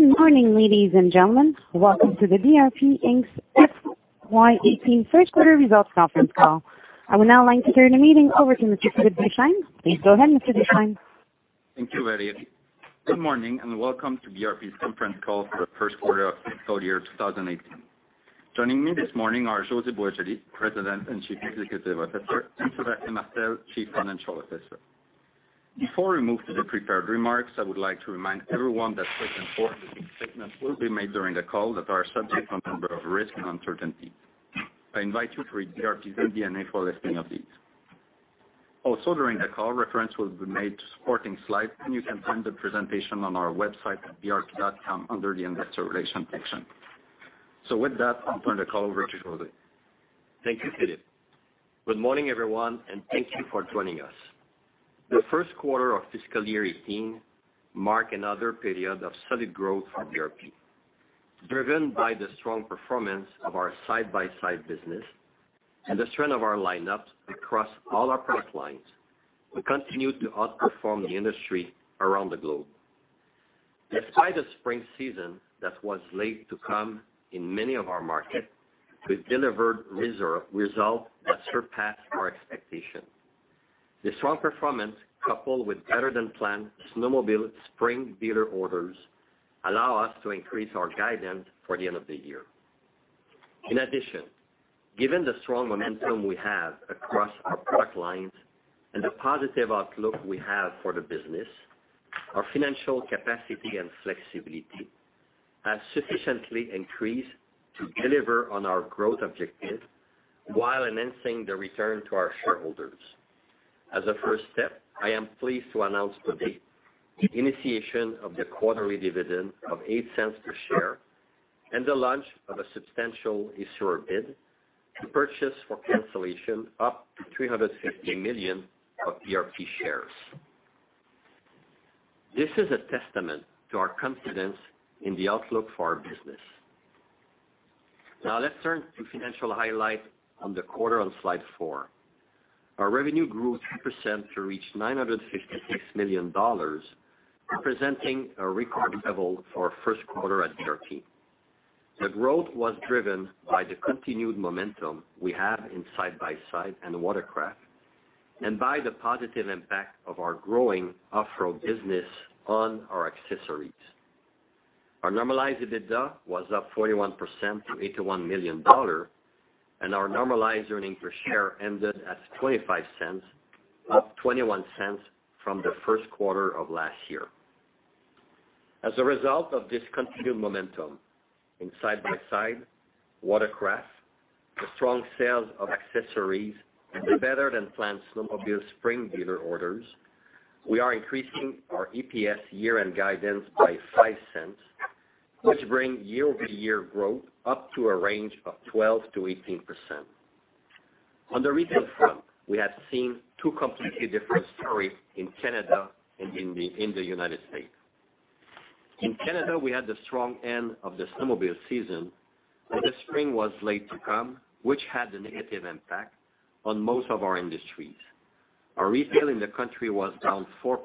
Good morning, ladies and gentlemen. Welcome to the BRP Inc.'s Q1 '18 first quarter results conference call. I would now like to turn the meeting over to Mr. Philippe Deschênes. Please go ahead, Mr. Deschênes. Thank you, Mary. Good morning, and welcome to BRP's conference call for the first quarter of fiscal year 2018. Joining me this morning are José Boisjoli, President and Chief Executive Officer, and Sébastien Martel, Chief Financial Officer. Before we move to the prepared remarks, I would like to remind everyone that certain forward-looking statements will be made during the call that are subject to a number of risks and uncertainties. I invite you to read BRP's MD&A for a listing of these. Also, during the call, reference will be made to supporting slides, and you can find the presentation on our website at brp.com under the investor relations section. With that, I'll turn the call over to José. Thank you, Philippe. Good morning, everyone, and thank you for joining us. The first quarter of fiscal year '18 marked another period of steady growth for BRP. Driven by the strong performance of our side-by-side business and the strength of our lineups across all our product lines, we continue to outperform the industry around the globe. Despite a spring season that was late to come in many of our markets, we've delivered results that surpassed our expectations. The strong performance, coupled with better-than-planned snowmobile spring dealer orders, allow us to increase our guidance for the end of the year. In addition, given the strong momentum we have across our product lines and the positive outlook we have for the business, our financial capacity and flexibility has sufficiently increased to deliver on our growth objectives while enhancing the return to our shareholders. As a first step, I am pleased to announce today the initiation of the quarterly dividend of 0.08 per share and the launch of a substantial issuer bid to purchase for cancellation up to 350 million of BRP shares. This is a testament to our confidence in the outlook for our business. Let's turn to financial highlight on the quarter on slide four. Our revenue grew 3% to reach 956 million dollars, representing a record level for first quarter at BRP. The growth was driven by the continued momentum we have in side-by-side and watercraft, and by the positive impact of our growing off-road business on our accessories. Our normalized EBITDA was up 41% to 81 million dollars, and our normalized earnings per share ended at 0.25, up 0.21 from the first quarter of last year. As a result of this continued momentum in side-by-side, watercraft, the strong sales of accessories, and the better-than-planned snowmobile spring dealer orders, we are increasing our EPS year-end guidance by 0.05, which bring year-over-year growth up to a range of 12%-18%. On the retail front, we have seen two completely different stories in Canada and in the U.S. In Canada, we had the strong end of the snowmobile season, but the spring was late to come, which had a negative impact on most of our industries. Our retail in the country was down 4%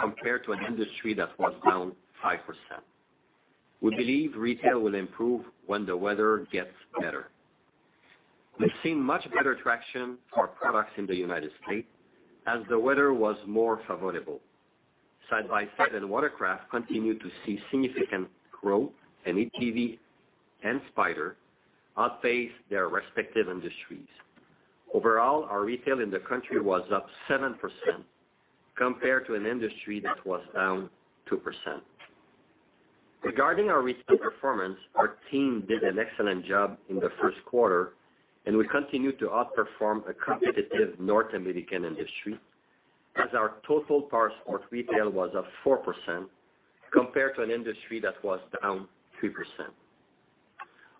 compared to an industry that was down 5%. We believe retail will improve when the weather gets better. We've seen much better traction for our products in the U.S. as the weather was more favorable. Side-by-side and watercraft continued to see significant growth in ATV and Spyder, outpaced their respective industries. Overall, our retail in the country was up 7% compared to an industry that was down 2%. Regarding our retail performance, our team did an excellent job in the first quarter, we continued to outperform a competitive North American industry as our total powersport retail was up 4% compared to an industry that was down 3%.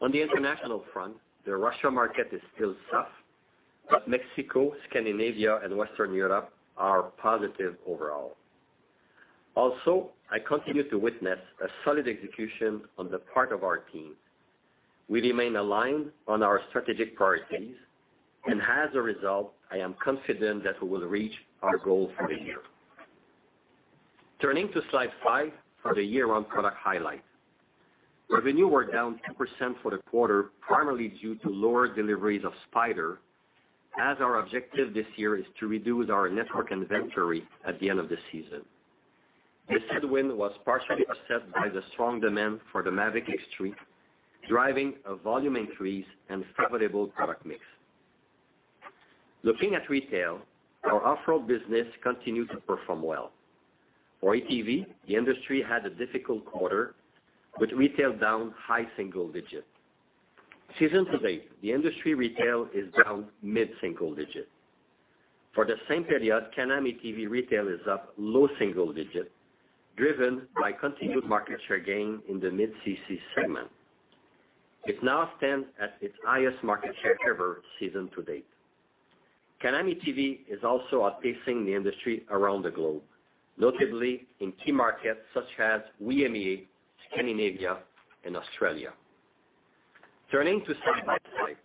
On the international front, the Russia market is still tough, Mexico, Scandinavia, and Western Europe are positive overall. I continue to witness a solid execution on the part of our team. We remain aligned on our strategic priorities, as a result, I am confident that we will reach our goal for the year. Turning to slide five for the year on product highlights. Revenue were down 2% for the quarter, primarily due to lower deliveries of Spyder as our objective this year is to reduce our network inventory at the end of the season. This headwind was partially offset by the strong demand for the Maverick X3, driving a volume increase and favorable product mix. Looking at retail, our off-road business continued to perform well. For ATV, the industry had a difficult quarter with retail down high single digits. Season to date, the industry retail is down mid-single digits. For the same period, Can-Am ATV retail is up low single digit, driven by continued market share gain in the mid-CC segment. It now stands at its highest market share ever season to date. Can-Am ATV is also outpacing the industry around the globe, notably in key markets such as WEME, Scandinavia, and Australia. Turning to side-by-side.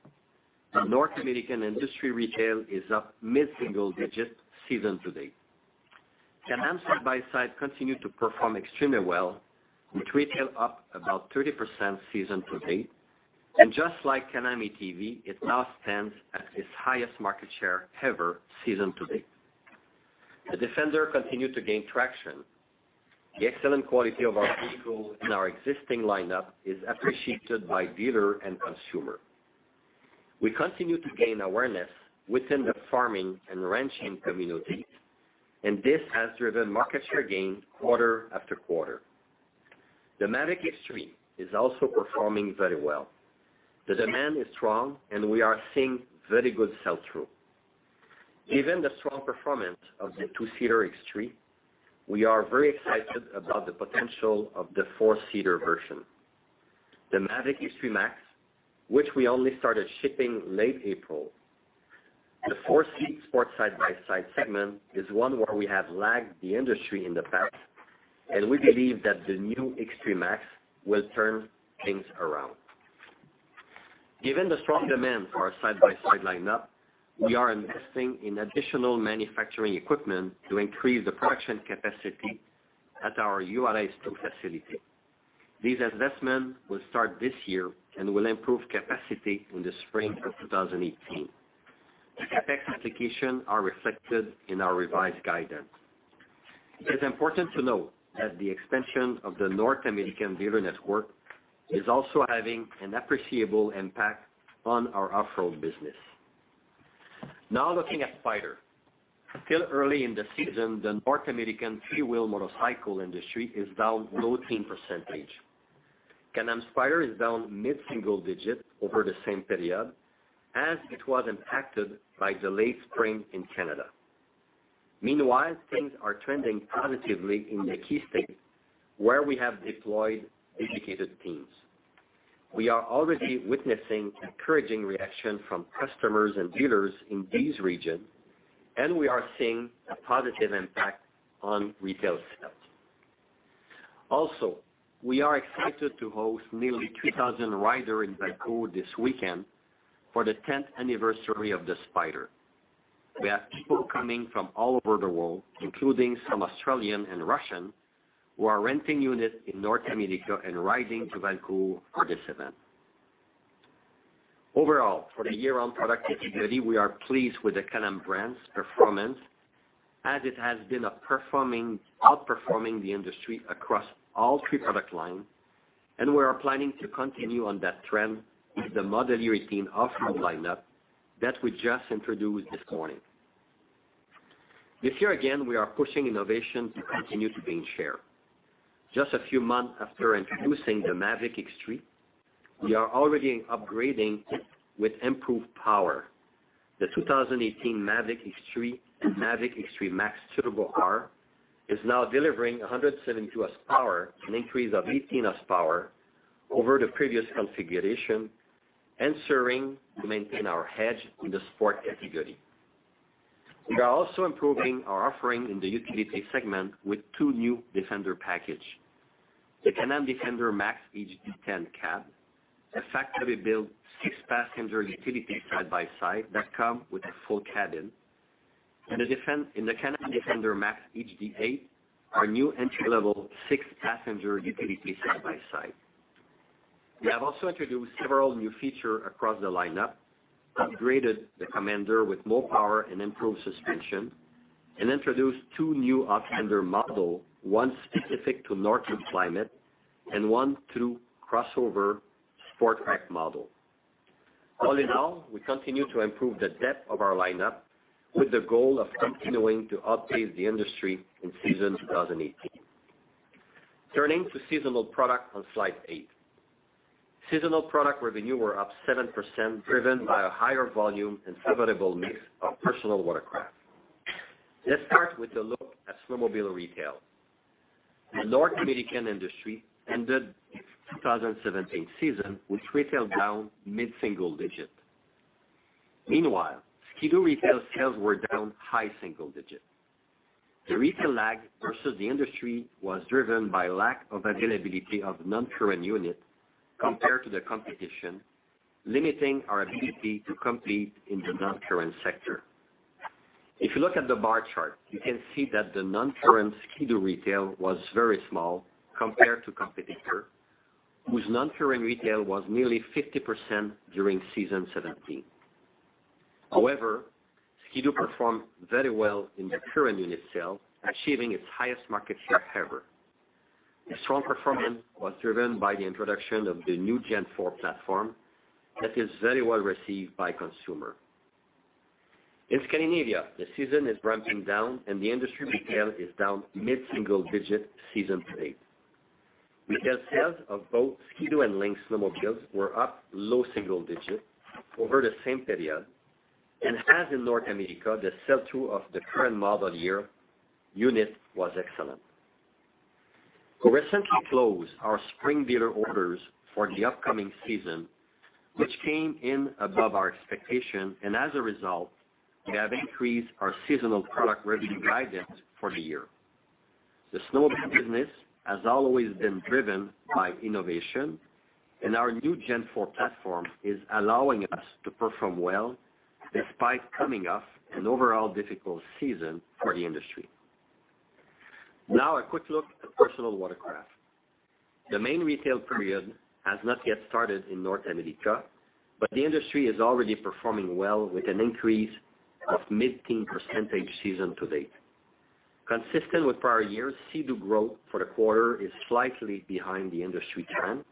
The North American industry retail is up mid-single digits season to date. Can-Am side-by-side continued to perform extremely well with retail up about 30% season to date, just like Can-Am ATV, it now stands at its highest market share ever season to date. The Defender continued to gain traction. The excellent quality of our vehicles in our existing lineup is appreciated by dealer and consumer. We continue to gain awareness within the farming and ranching communities, this has driven market share gain quarter after quarter. The Maverick X3 is also performing very well. The demand is strong, we are seeing very good sell-through. Given the strong performance of the two-seater X3, we are very excited about the potential of the four-seater version. The Maverick X3 MAX, which we only started shipping late April. The four-seat sport side-by-side segment is one where we have lagged the industry in the past, we believe that the new Maverick X3 MAX will turn things around. Given the strong demand for our side-by-side lineup, we are investing in additional manufacturing equipment to increase the production capacity at our Juarez facility. These investments will start this year and will improve capacity in the spring of 2018. The CapEx applications are reflected in our revised guidance. It's important to note that the expansion of the North American dealer network is also having an appreciable impact on our off-road business. Looking at Spyder. Still early in the season, the North American three-wheeled motorcycle industry is down low teen percentage. Can-Am Spyder is down mid-single digits over the same period as it was impacted by the late spring in Canada. Things are trending positively in the key states where we have deployed dedicated teams. We are already witnessing encouraging reaction from customers and dealers in these regions, and we are seeing a positive impact on retail sales. We are excited to host nearly 2,000 riders in Vancouver this weekend for the 10th anniversary of the Spyder. We have people coming from all over the world, including some Australians and Russians, who are renting units in North America and riding to Vancouver for this event. Overall, for the Year-Round Product category, we are pleased with the Can-Am brand's performance as it has been outperforming the industry across all three product lines, and we are planning to continue on that trend with the model year 2018 off-road lineup that we just introduced this morning. This year again, we are pushing innovation to continue to gain share. Just a few months after introducing the Maverick X3, we are already upgrading it with improved power. The 2018 Maverick X3 and Maverick X3 MAX Turbo R is now delivering 172 horsepower, an increase of 18 horsepower over the previous configuration and serving to maintain our edge in the sport category. We are also improving our offering in the utility segment with two new Defender packages. The Can-Am Defender MAX HD10 cab, a factory-built six-passenger utility side-by-side that comes with a full cabin, and the Can-Am Defender MAX HD8, our new entry-level six-passenger utility side-by-side. We have also introduced several new features across the lineup, upgraded the Commander with more power and improved suspension, and introduced two new Outlander models, one specific to northern climate and one true crossover sport tech model. All in all, we continue to improve the depth of our lineup with the goal of continuing to outpace the industry in season 2018. Turning to seasonal product on slide 8. Seasonal product revenue were up 7%, driven by a higher volume and favorable mix of personal watercraft. Let's start with a look at snowmobile retail. The North American industry ended its 2017 season with retail down mid-single digits. Ski-Doo retail sales were down high single digits. The retail lag versus the industry was driven by lack of availability of non-current units compared to the competition, limiting our ability to compete in the non-current sector. If you look at the bar chart, you can see that the non-current Ski-Doo retail was very small compared to competitor, whose non-current retail was nearly 50% during season 2017. However, Ski-Doo performed very well in the current unit sale, achieving its highest market share ever. The strong performance was driven by the introduction of the new Gen 4 platform that is very well received by consumer. In Scandinavia, the season is ramping down, and the industry retail is down mid-single digit season to date. Retail sales of both Ski-Doo and Lynx snowmobiles were up low single digits over the same period. As in North America, the sell-through of the current model year unit was excellent. We recently closed our spring dealer orders for the upcoming season, which came in above our expectation. As a result, we have increased our seasonal product revenue guidance for the year. The snowmobile business has always been driven by innovation and our new Gen 4 platform is allowing us to perform well despite coming off an overall difficult season for the industry. Now a quick look at personal watercraft. The main retail period has not yet started in North America, but the industry is already performing well with an increase of mid-teen percentage season to date. Consistent with prior years, Sea-Doo growth for the quarter is slightly behind the industry trend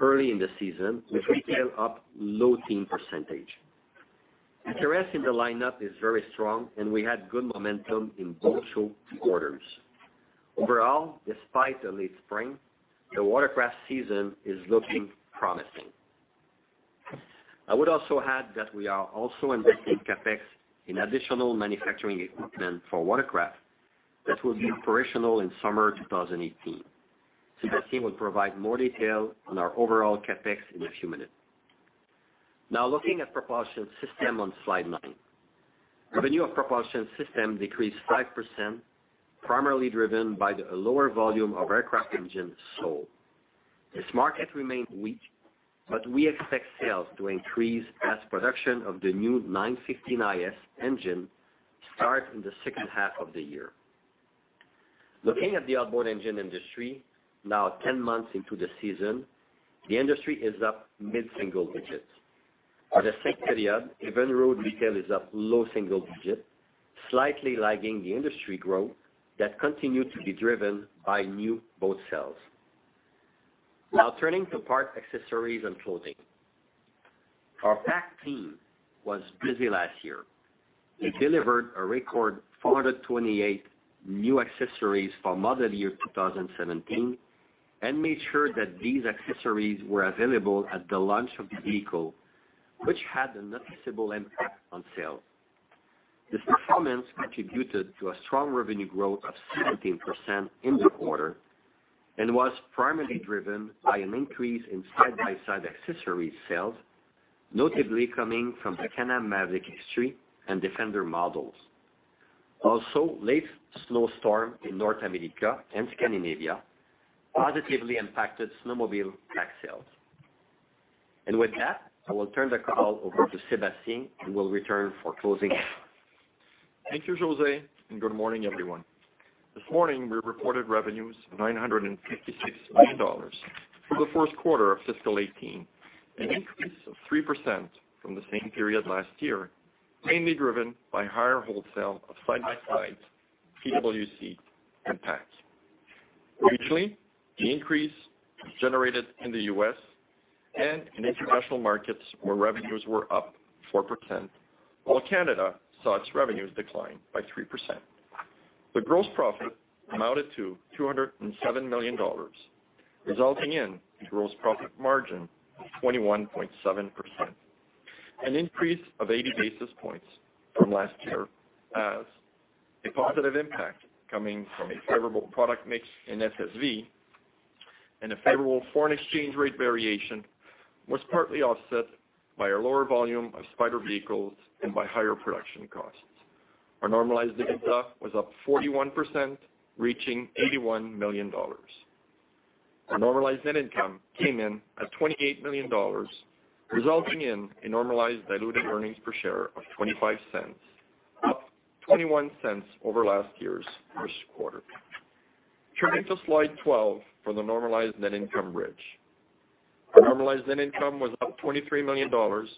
early in the season, with retail up low teen percentage. Interest in the lineup is very strong, and we had good momentum in boat show orders. Overall, despite a late spring, the watercraft season is looking promising. I would also add that we are also investing CapEx in additional manufacturing equipment for watercraft that will be operational in summer 2018. Sébastien will provide more detail on our overall CapEx in a few minutes. Now looking at propulsion system on slide nine. Revenue of propulsion system decreased 5%, primarily driven by the lower volume of aircraft engines sold. This market remained weak, but we expect sales to increase as production of the new 915 iS engine starts in the second half of the year. Looking at the outboard engine industry now 10 months into the season, the industry is up mid-single digits. For the same period, BRP retail is up low single digits, slightly lagging the industry growth that continued to be driven by new boat sales. Now turning to Parts, Accessories, and Clothing. Our PAC team was busy last year. We delivered a record 428 new accessories for model year 2017 and made sure that these accessories were available at the launch of the vehicle, which had a noticeable impact on sales. This performance contributed to a strong revenue growth of 17% in the quarter and was primarily driven by an increase in Side-by-Side accessories sales, notably coming from the Can-Am Maverick X3 and Defender models. Also, late snowstorm in North America and Scandinavia positively impacted snowmobile parts sales. With that, I will turn the call over to Sébastien, who will return for closing remarks. Thank you, José, and good morning, everyone. This morning we reported revenues of 956 million dollars for the first quarter of fiscal 2018, an increase of 3% from the same period last year, mainly driven by higher wholesale of side-by-sides, PWC, and PACs. Regionally, the increase was generated in the U.S. and in international markets where revenues were up 4%, while Canada saw its revenues decline by 3%. The gross profit amounted to 207 million dollars, resulting in a gross profit margin of 21.7%, an increase of 80 basis points from last year as a positive impact coming from a favorable product mix in SSV and a favorable foreign exchange rate variation was partly offset by a lower volume of Spyder vehicles and by higher production costs. Our normalized EBITDA was up 41%, reaching 81 million dollars. Our normalized net income came in at 28 million dollars, resulting in a normalized diluted earnings per share of 0.25, up 0.21 over last year's first quarter. Turning to slide 12 for the normalized net income bridge. Our normalized net income was up 23 million dollars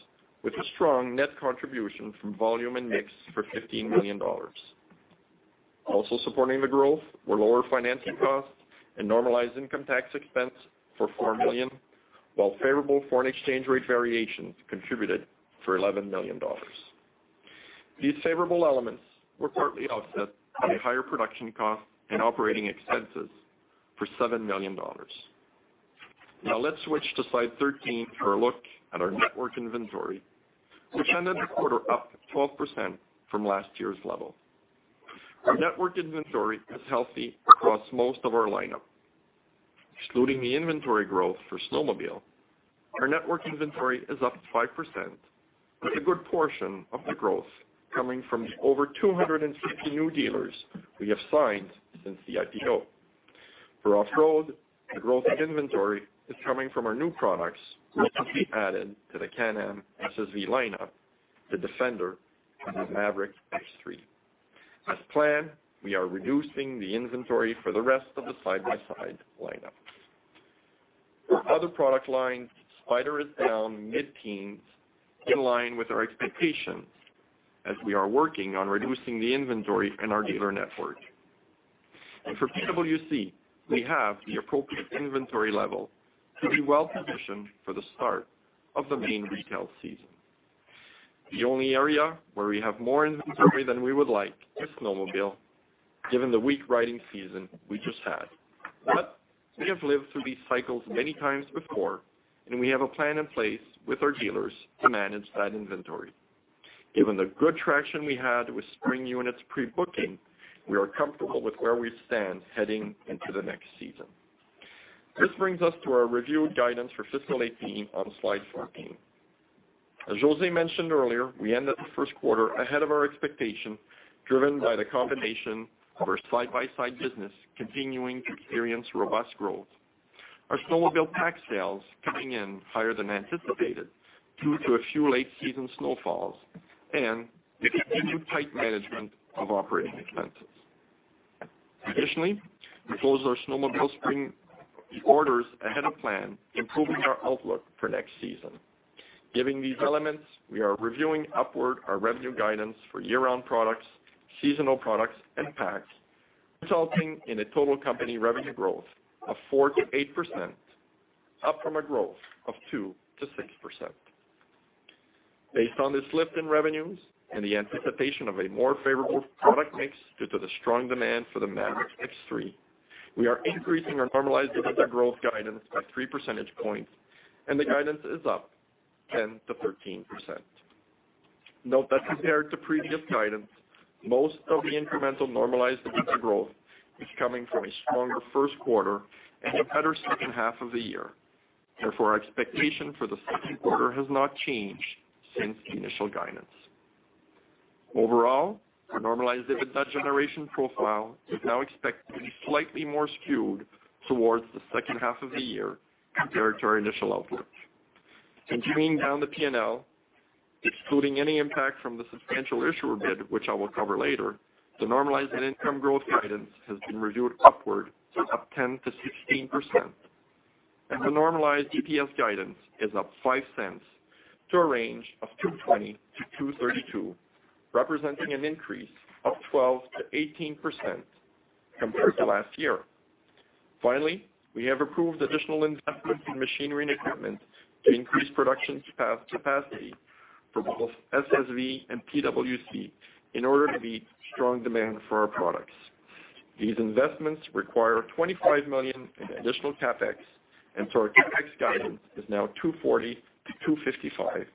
with a strong net contribution from volume and mix for 15 million dollars. Supporting the growth were lower financing costs and normalized income tax expense for 4 million, while favorable foreign exchange rate variations contributed for 11 million dollars. These favorable elements were partly offset by higher production costs and operating expenses for 7 million dollars. Let's switch to slide 13 for a look at our network inventory, which ended the quarter up 12% from last year's level. Our network inventory is healthy across most of our lineup. Excluding the inventory growth for snowmobile, our network inventory is up 5% with a good portion of the growth coming from the over 250 new dealers we have signed since the IPO. For off-road, the growth in inventory is coming from our new products recently added to the Can-Am SSV lineup, the Defender and the Maverick X3. As planned, we are reducing the inventory for the rest of the side-by-side lineup. For other product lines, Spyder is down mid-teens in line with our expectations as we are working on reducing the inventory in our dealer network. For PWC, we have the appropriate inventory level to be well positioned for the start of the main retail season. The only area where we have more inventory than we would like is snowmobile, given the weak riding season we just had. We have lived through these cycles many times before, and we have a plan in place with our dealers to manage that inventory. Given the good traction we had with spring units pre-booking, we are comfortable with where we stand heading into the next season. This brings us to our reviewed guidance for fiscal 2018 on slide 14. As José mentioned earlier, we ended the first quarter ahead of our expectation, driven by the combination of our side-by-side business continuing to experience robust growth. Our snowmobile PAC sales coming in higher than anticipated due to a few late season snowfalls and the continued tight management of operating expenses. Additionally, we closed our snowmobile spring orders ahead of plan, improving our outlook for next season. Given these elements, we are reviewing upward our revenue guidance for year-round products, seasonal products, and PACs, resulting in a total company revenue growth of 4%-8%, up from a growth of 2%-6%. Based on this lift in revenues and the anticipation of a more favorable product mix due to the strong demand for the Maverick X3, we are increasing our normalized EBITDA growth guidance by three percentage points, and the guidance is up 10%-13%. Note that compared to previous guidance, most of the incremental normalized EBITDA growth is coming from a stronger first quarter and a better second half of the year. Therefore, our expectation for the second quarter has not changed since the initial guidance. Overall, our normalized EBITDA generation profile is now expected to be slightly more skewed towards the second half of the year compared to our initial outlook. Drilling down the P&L, excluding any impact from the substantial issuer bid, which I will cover later, the normalized net income growth guidance has been reviewed upward to up 10%-16%, and the normalized EPS guidance is up 0.05 to a range of 2.20-2.32, representing an increase of 12%-18% compared to last year. Finally, we have approved additional investment in machinery and equipment to increase production capacity for both SSV and PWC in order to meet strong demand for our products. These investments require 25 million in additional CapEx, and so our CapEx guidance is now 240 million-255 million,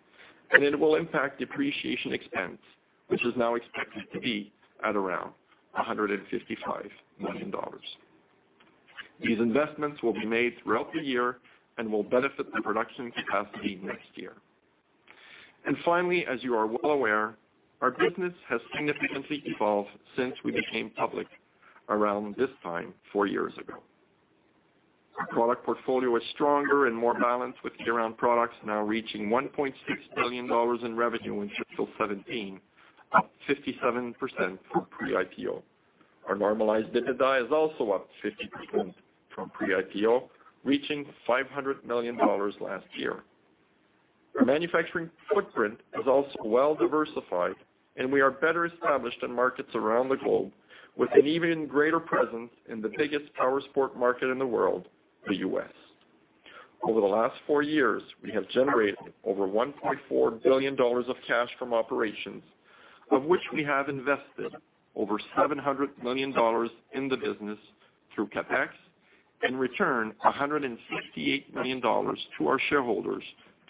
and it will impact depreciation expense, which is now expected to be at around 155 million dollars. These investments will be made throughout the year and will benefit the production capacity next year. Finally, as you are well aware, our business has significantly evolved since we became public around this time four years ago. Our product portfolio is stronger and more balanced with year-round products now reaching 1.6 billion dollars in revenue in fiscal 2017, up 57% from pre-IPO. Our normalized EBITDA is also up 50% from pre-IPO, reaching 500 million dollars last year. Our manufacturing footprint is also well-diversified, and we are better established in markets around the globe with an even greater presence in the biggest powersport market in the world, the U.S. Over the last four years, we have generated over 1.4 billion dollars of cash from operations, of which we have invested over 700 million dollars in the business through CapEx and returned 168 million dollars to our shareholders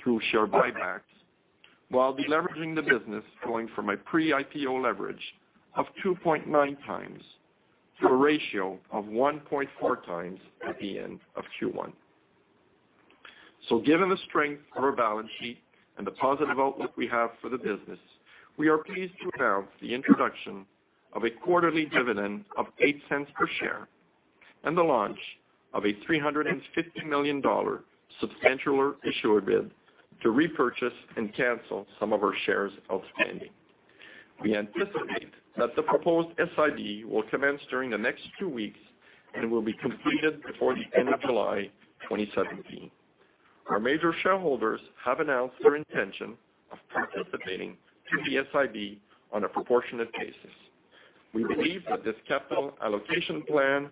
through share buybacks while de-leveraging the business, going from a pre-IPO leverage of 2.9 times to a ratio of 1.4 times at the end of Q1. So given the strength of our balance sheet and the positive outlook we have for the business, we are pleased to announce the introduction of a quarterly dividend of 0.08 per share and the launch of a 350 million dollar substantial issuer bid to repurchase and cancel some of our shares outstanding. We anticipate that the proposed SIB will commence during the next two weeks and will be completed before the end of July 2017. Our major shareholders have announced their intention of participating in the SIB on a proportionate basis. We believe that this capital allocation plan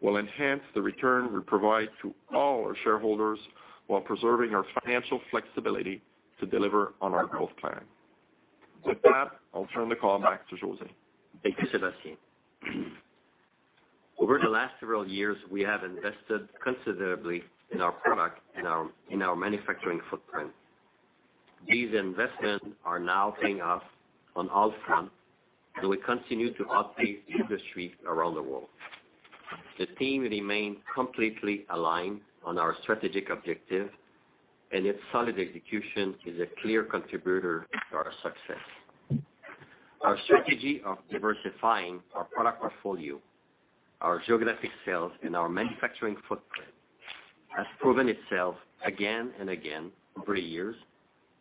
will enhance the return we provide to all our shareholders while preserving our financial flexibility to deliver on our growth plan. With that, I'll turn the call back to José. Thank you, Sébastien. Over the last several years, we have invested considerably in our product and in our manufacturing footprint. These investments are now paying off on all fronts as we continue to outpace the industry around the world. The team remains completely aligned on our strategic objective, and its solid execution is a clear contributor to our success. Our strategy of diversifying our product portfolio, our geographic sales, and our manufacturing footprint has proven itself again and again over the years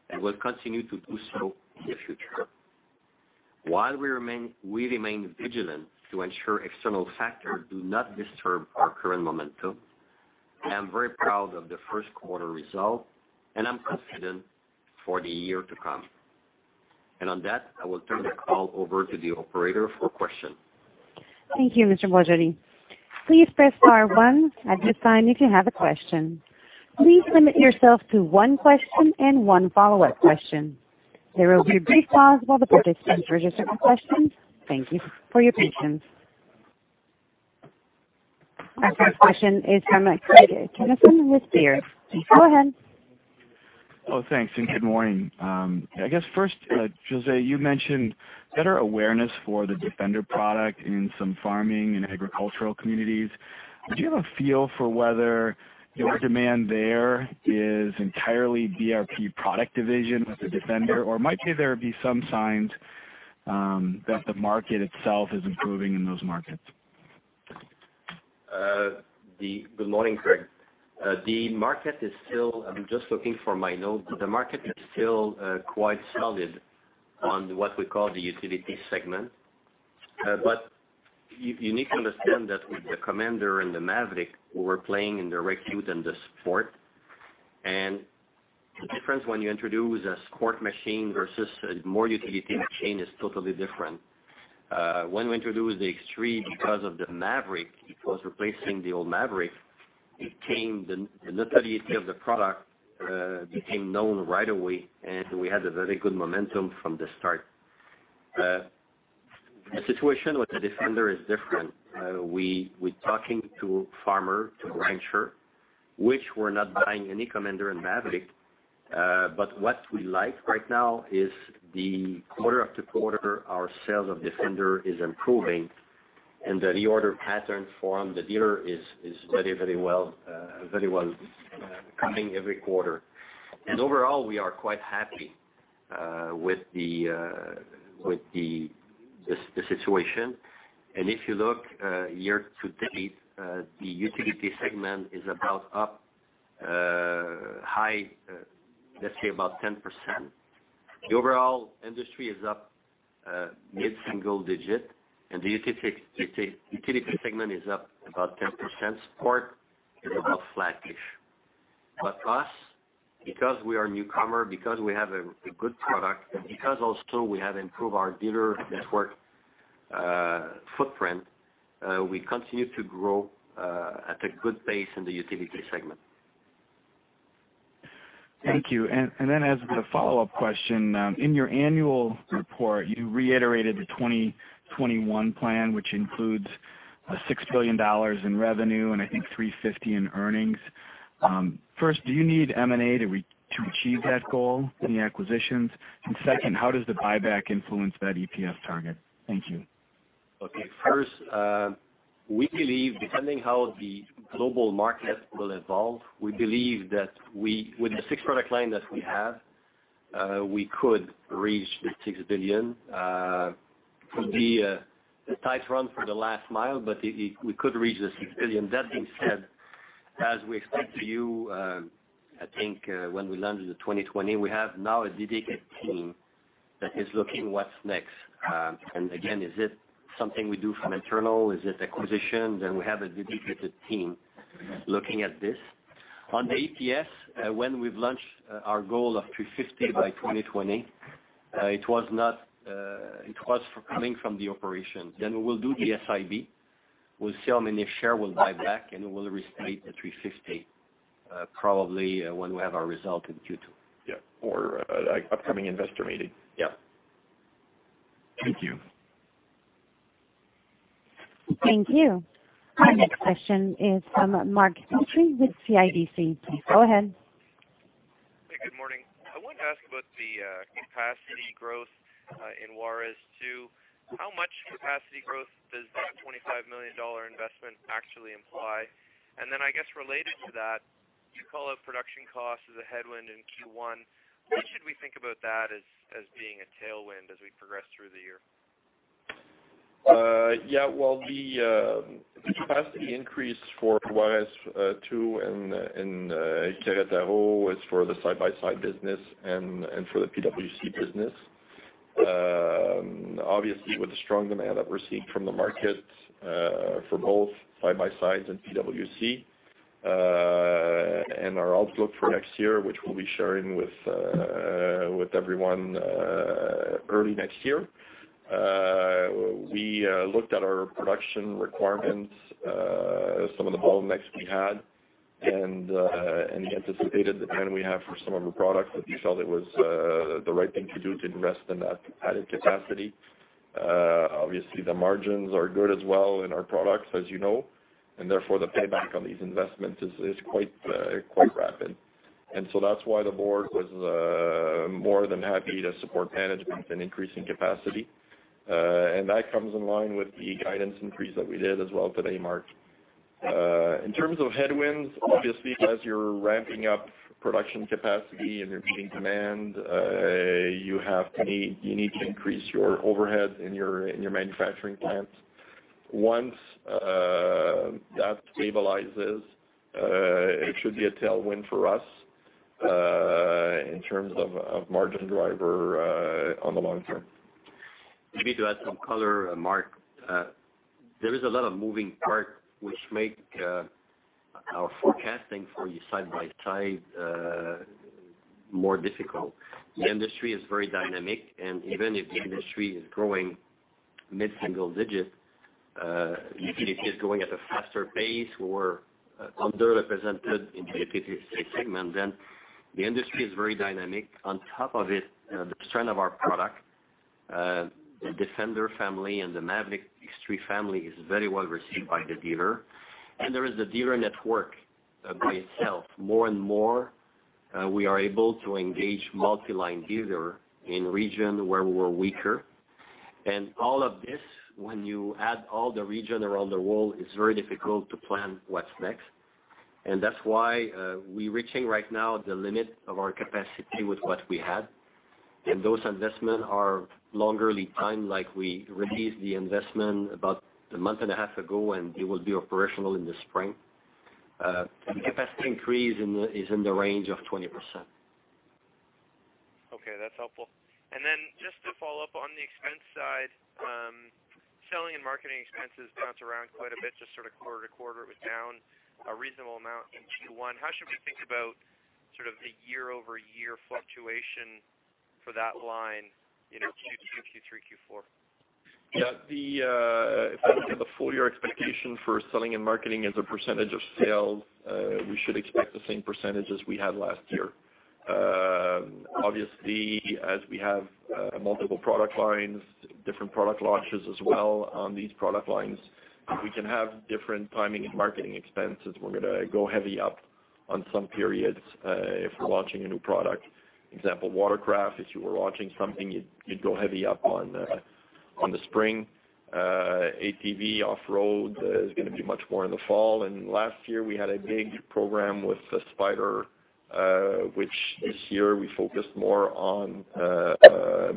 and will continue to do so in the future. While we remain vigilant to ensure external factors do not disturb our current momentum, I am very proud of the first quarter results, I'm confident for the year to come. On that, I will turn the call over to the operator for questions. Thank you, Mr. Boisjoli. Please press star one at this time if you have a question. Please limit yourself to one question and one follow-up question. There will be a brief pause while the participants register their questions. Thank you for your patience. Our first question is from Craig Kennison with Baird. Go ahead. Thanks. Good morning. I guess first, José, you mentioned better awareness for the Defender product in some farming and agricultural communities. Do you have a feel for whether your demand there is entirely BRP product division with the Defender, or might there be some signs? That the market itself is improving in those markets. Good morning, Craig Kennison. I'm just looking for my notes. The market is still quite solid on what we call the utility segment. You need to understand that with the Commander and the Maverick, we're playing in the rec-ute and the sport. The difference when you introduce a sport machine versus a more utility machine is totally different. When we introduced the X3 because of the Maverick, it was replacing the old Maverick. The notoriety of the product became known right away, and we had a very good momentum from the start. The situation with the Defender is different. We're talking to farmer, to rancher, which were not buying any Commander and Maverick. What we like right now is the quarter after quarter, our sales of Defender is improving, and the reorder pattern from the dealer is very well, coming every quarter. Overall, we are quite happy with the situation. If you look year-to-date, the utility segment is about up high, let's say about 10%. The overall industry is up mid-single digit, and the utility segment is up about 10%. Sport is about flat-ish. Us, because we are a newcomer, because we have a good product, and because also we have improved our dealer network footprint, we continue to grow at a good pace in the utility segment. Thank you. As the follow-up question, in your annual report, you reiterated the 2021 plan, which includes 6 billion dollars in revenue, and I think 350 in earnings. First, do you need M&A to achieve that goal, any acquisitions? Second, how does the buyback influence that EPS target? Thank you. Okay. First, depending how the global market will evolve, we believe that with the six product line that we have, we could reach the 6 billion. It would be a tight run for the last mile, but we could reach the 6 billion. That being said, as we explained to you, I think when we launched the 2020, we have now a dedicated team that is looking what's next. Again, is it something we do from internal? Is it acquisitions? We have a dedicated team looking at this. On the EPS, when we've launched our goal of 350 by 2020, it was coming from the operation. We will do the SIB. We'll see how many share we'll buy back, and we'll restate the 350, probably when we have our result in Q2. Yeah. For upcoming investor meeting. Yeah. Thank you. Thank you. Our next question is from Mark Petrie with CIBC. Please go ahead. Hey, good morning. I wanted to ask about the capacity growth in Juarez II. How much capacity growth does that 25 million dollar investment actually imply? I guess related to that, you call out production cost as a headwind in Q1. How should we think about that as being a tailwind as we progress through the year? Well, the capacity increase for Juarez II and in Querétaro is for the side-by-side business and for the PWC business. Obviously, with the strong demand that we're seeing from the market for both side-by-sides and PWC, our outlook for next year, which we'll be sharing with everyone early next year. We looked at our production requirements, some of the bottlenecks we had and the anticipated demand we have for some of the products that we felt it was the right thing to do to invest in that added capacity. Obviously, the margins are good as well in our products, as you know, therefore the payback on these investments is quite rapid. So that's why the board was more than happy to support management in increasing capacity. That comes in line with the guidance increase that we did as well today, Mark. In terms of headwinds, obviously, as you're ramping up production capacity and you're seeing demand, you need to increase your overhead in your manufacturing plants. Once that stabilizes, it should be a tailwind for us, in terms of margin driver on the long term. Maybe to add some color, Mark, there is a lot of moving part which make our forecasting for our side-by-side more difficult. The industry is very dynamic, even if the industry is growing mid-single digit, utility is growing at a faster pace. We're underrepresented in the ATV segment. The industry is very dynamic. On top of it, the strength of our product, the Defender family and the Maverick X3 family is very well received by the dealer. There is the dealer network by itself. More and more, we are able to engage multi-line dealer in region where we're weaker. All of this, when you add all the region around the world, it's very difficult to plan what's next. That's why we're reaching right now the limit of our capacity with what we had. Those investments are longer lead time, like we released the investment about a month and a half ago, and it will be operational in the spring. The capacity increase is in the range of 20%. Okay, that's helpful. Just to follow up on the expense side, selling and marketing expenses bounce around quite a bit just sort of quarter-to-quarter. It was down a reasonable amount in Q1. How should we think about sort of the year-over-year fluctuation for that line, Q2, Q3, Q4? Yeah. If I look at the full year expectation for selling and marketing as a percentage of sales, we should expect the same percentage as we had last year. Obviously, as we have multiple product lines, different product launches as well on these product lines, we can have different timing and marketing expenses. We're going to go heavy up on some periods, if we're launching a new product. Example, watercraft, if you were launching something, you'd go heavy up on the spring. ATV, off-road is going to be much more in the fall. Last year, we had a big program with the Spyder, which this year we focused more on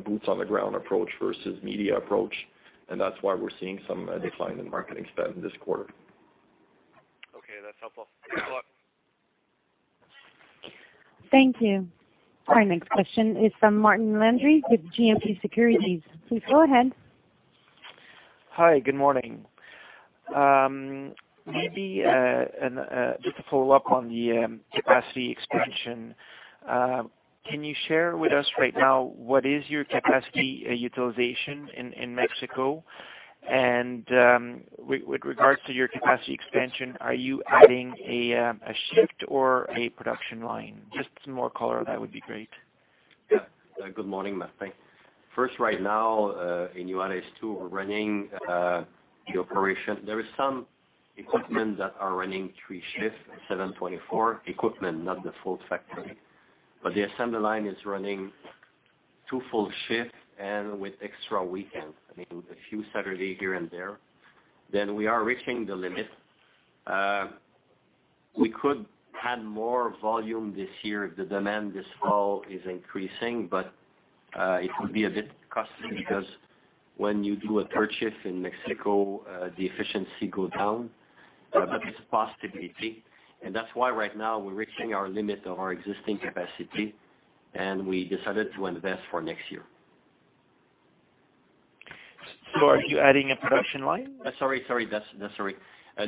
boots on the ground approach versus media approach, and that's why we're seeing some decline in marketing spend this quarter. Okay, that's helpful. Thanks a lot. Thank you. Our next question is from Martin Landry with GMP Securities. Please go ahead. Hi, good morning. Maybe just to follow up on the capacity expansion, can you share with us right now what is your capacity utilization in Mexico? With regard to your capacity expansion, are you adding a shift or a production line? Just some more color on that would be great. Good morning, Martin. First, right now, in Juarez Two, we're running the operation. There is some equipment that are running three shifts, 7/24. Equipment, not the full factory. The assembly line is running two full shifts and with extra weekends, I mean, a few Saturday here and there. We are reaching the limit. We could add more volume this year if the demand this fall is increasing, but it would be a bit costly because when you do a third shift in Mexico, the efficiency go down. It's a possibility, and that's why right now we're reaching our limit of our existing capacity, and we decided to invest for next year. Are you adding a production line? Sorry.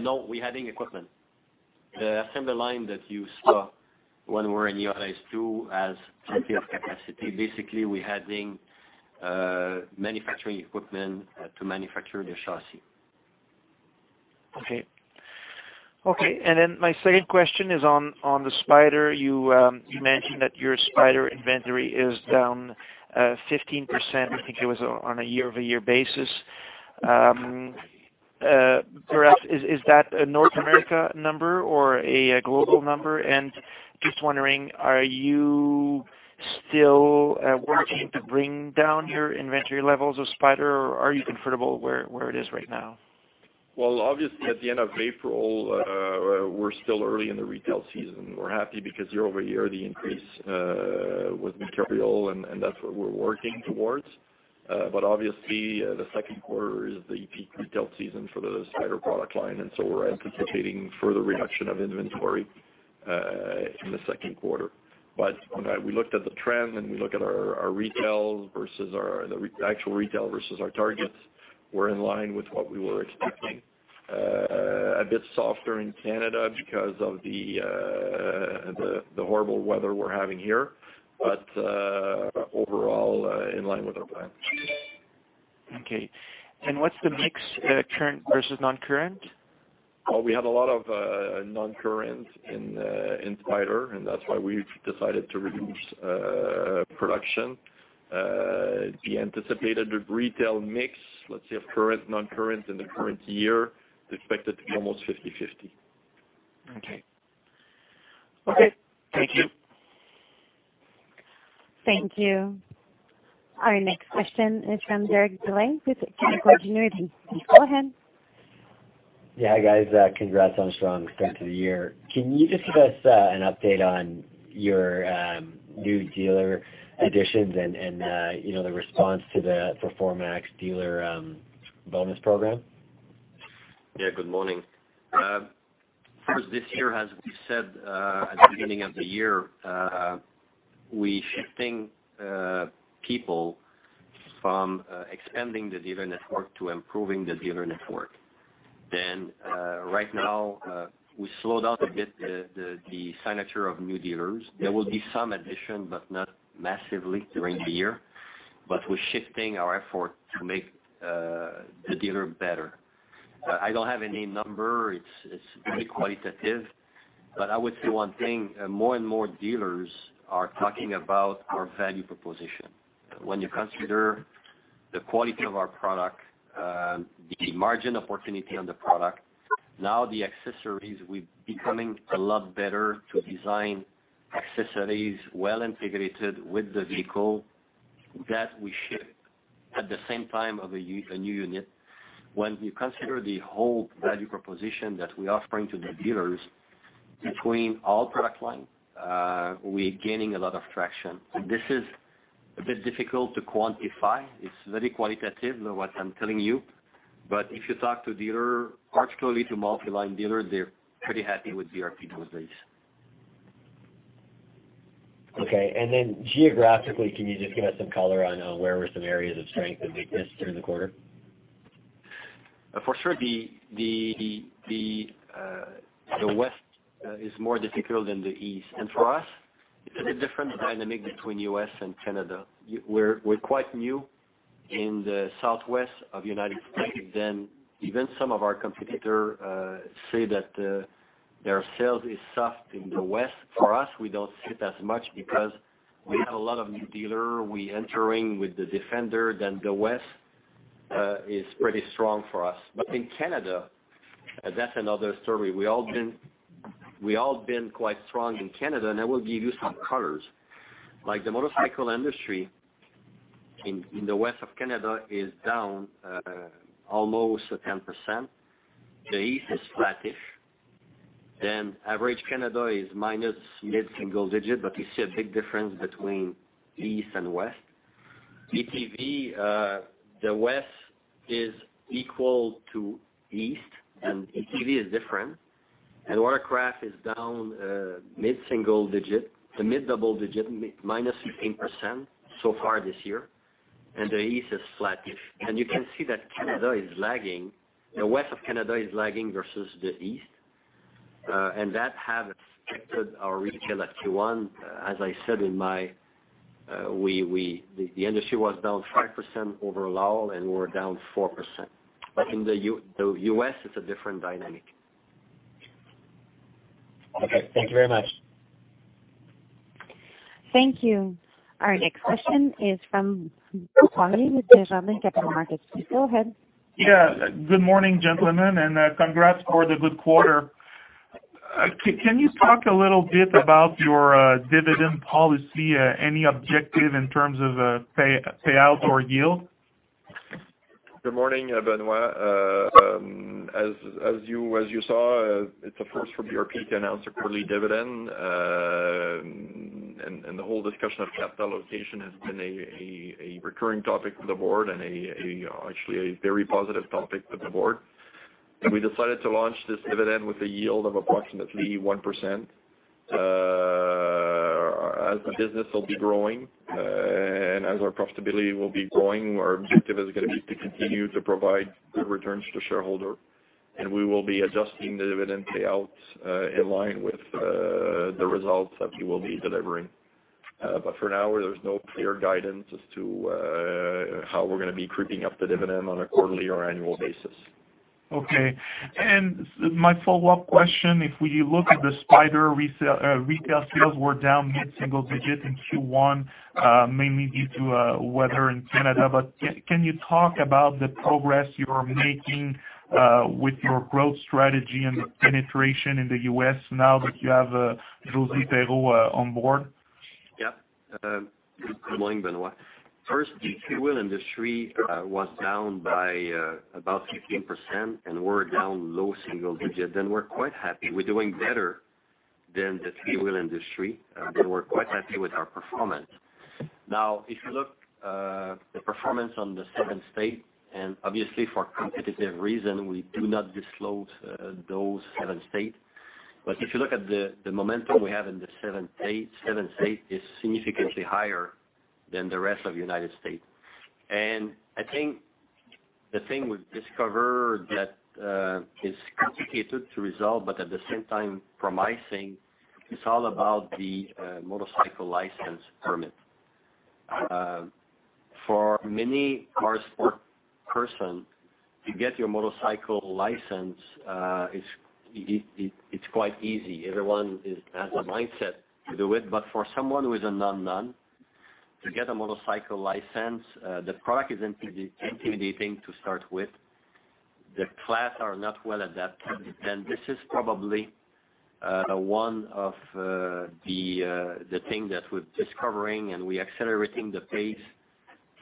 No, we're adding equipment. The assembly line that you saw when we were in Juarez II has plenty of capacity. Basically, we're adding manufacturing equipment to manufacture the chassis. Okay. Then my second question is on the Spyder. You mentioned that your Spyder inventory is down 15%, I think it was on a year-over-year basis. Correct? Is that a North America number or a global number? Just wondering, are you still working to bring down your inventory levels of Spyder, or are you comfortable where it is right now? Well, obviously, at the end of April, we're still early in the retail season. We're happy because year-over-year, the increase was material, and that's what we're working towards. Obviously, the second quarter is the peak retail season for the Spyder product line, and so we're anticipating further reduction of inventory in the second quarter. We looked at the trend, and we look at our actual retail versus our targets. We're in line with what we were expecting. A bit softer in Canada because of the horrible weather we're having here, but overall, in line with our plan. Okay. What's the mix current versus non-current? Well, we had a lot of non-current in Spyder, and that's why we decided to reduce production. The anticipated retail mix, let's say, of current non-current in the current year is expected to be almost 50/50. Okay. Thank you. Thank you. Our next question is from Derek Dley with Canaccord Genuity. Please go ahead. Yeah, guys. Congrats on strong start to the year. Can you just give us an update on your new dealer additions and the response to the Performance dealer bonus program? Good morning. Of course, this year, as we said at the beginning of the year, we're shifting people from expanding the dealer network to improving the dealer network. Right now, we slowed down a bit the signature of new dealers. There will be some addition, but not massively during the year. We're shifting our effort to make the dealer better. I don't have any number. It's very qualitative. I would say one thing, more and more dealers are talking about our value proposition. When you consider the quality of our product, the margin opportunity on the product, now the accessories, we're becoming a lot better to design accessories well integrated with the vehicle that we ship At the same time of a new unit. When you consider the whole value proposition that we're offering to the dealers between all product line, we're gaining a lot of traction. This is a bit difficult to quantify. It's very qualitative what I'm telling you, if you talk to dealer, particularly to multi-line dealer, they're pretty happy with BRP nowadays. Okay, geographically, can you just give us some color on where were some areas of strength and weakness during the quarter? For sure, the West is more difficult than the East. For us, it's a bit different dynamic between U.S. and Canada. We're quite new in the Southwest of the United States than even some of our competitor say that their sales is soft in the West. For us, we don't see it as much because we have a lot of new dealer. We're entering with the Defender, the West is pretty strong for us. In Canada, that's another story. We've all been quite strong in Canada, I will give you some colors. Like the motorcycle industry in the West of Canada is down almost 10%. The East is flattish, average Canada is minus mid-single digit, you see a big difference between East and West. UTV, the West is equal to East, UTV is different. Watercraft is down mid-single digit to mid-double digit, -18% so far this year. The East is flattish. You can see that Canada is lagging. The West of Canada is lagging versus the East. That has affected our retail at Q1. As I said, the industry was down -5% overall, and we're down -4%. In the U.S., it's a different dynamic. Okay. Thank you very much. Thank you. Our next question is from Benoit Poirier Desjardins, Capital Markets. Please go ahead. Yeah. Good morning, gentlemen, congrats for the good quarter. Can you talk a little bit about your dividend policy? Any objective in terms of payout or yield? Good morning, Benoit. As you saw, it's a first for BRP to announce a quarterly dividend. The whole discussion of capital allocation has been a recurring topic for the board and actually a very positive topic for the board. We decided to launch this dividend with a yield of approximately 1%. As the business will be growing and as our profitability will be growing, our objective is going to be to continue to provide good returns to shareholder, and we will be adjusting the dividend payout in line with the results that we will be delivering. For now, there's no clear guidance as to how we're going to be creeping up the dividend on a quarterly or annual basis. Okay. My follow-up question, if we look at the Spyder retail sales were down mid-single digit in Q1, mainly due to weather in Canada, but can you talk about the progress you are making with your growth strategy and penetration in the U.S. now that you have Josée Thériault on board? Good morning, Benoit. First, the three-wheel industry was down by about 15%. We're down low single digit, and we're quite happy. We're doing better than the three-wheel industry, and we're quite happy with our performance. If you look the performance on the seven state, and obviously for competitive reason, we do not disclose those seven state. If you look at the momentum we have in the seven state is significantly higher than the rest of U.S. I think the thing we've discovered that is complicated to resolve, but at the same time, from my seeing, it's all about the motorcycle license permit. For many motorsport person, to get your motorcycle license, it's quite easy. Everyone has a mindset to do it, but for someone who is a [non-non], to get a motorcycle license, the product is intimidating to start with. The class are not well adapted, this is probably one of the thing that we're discovering, we accelerating the pace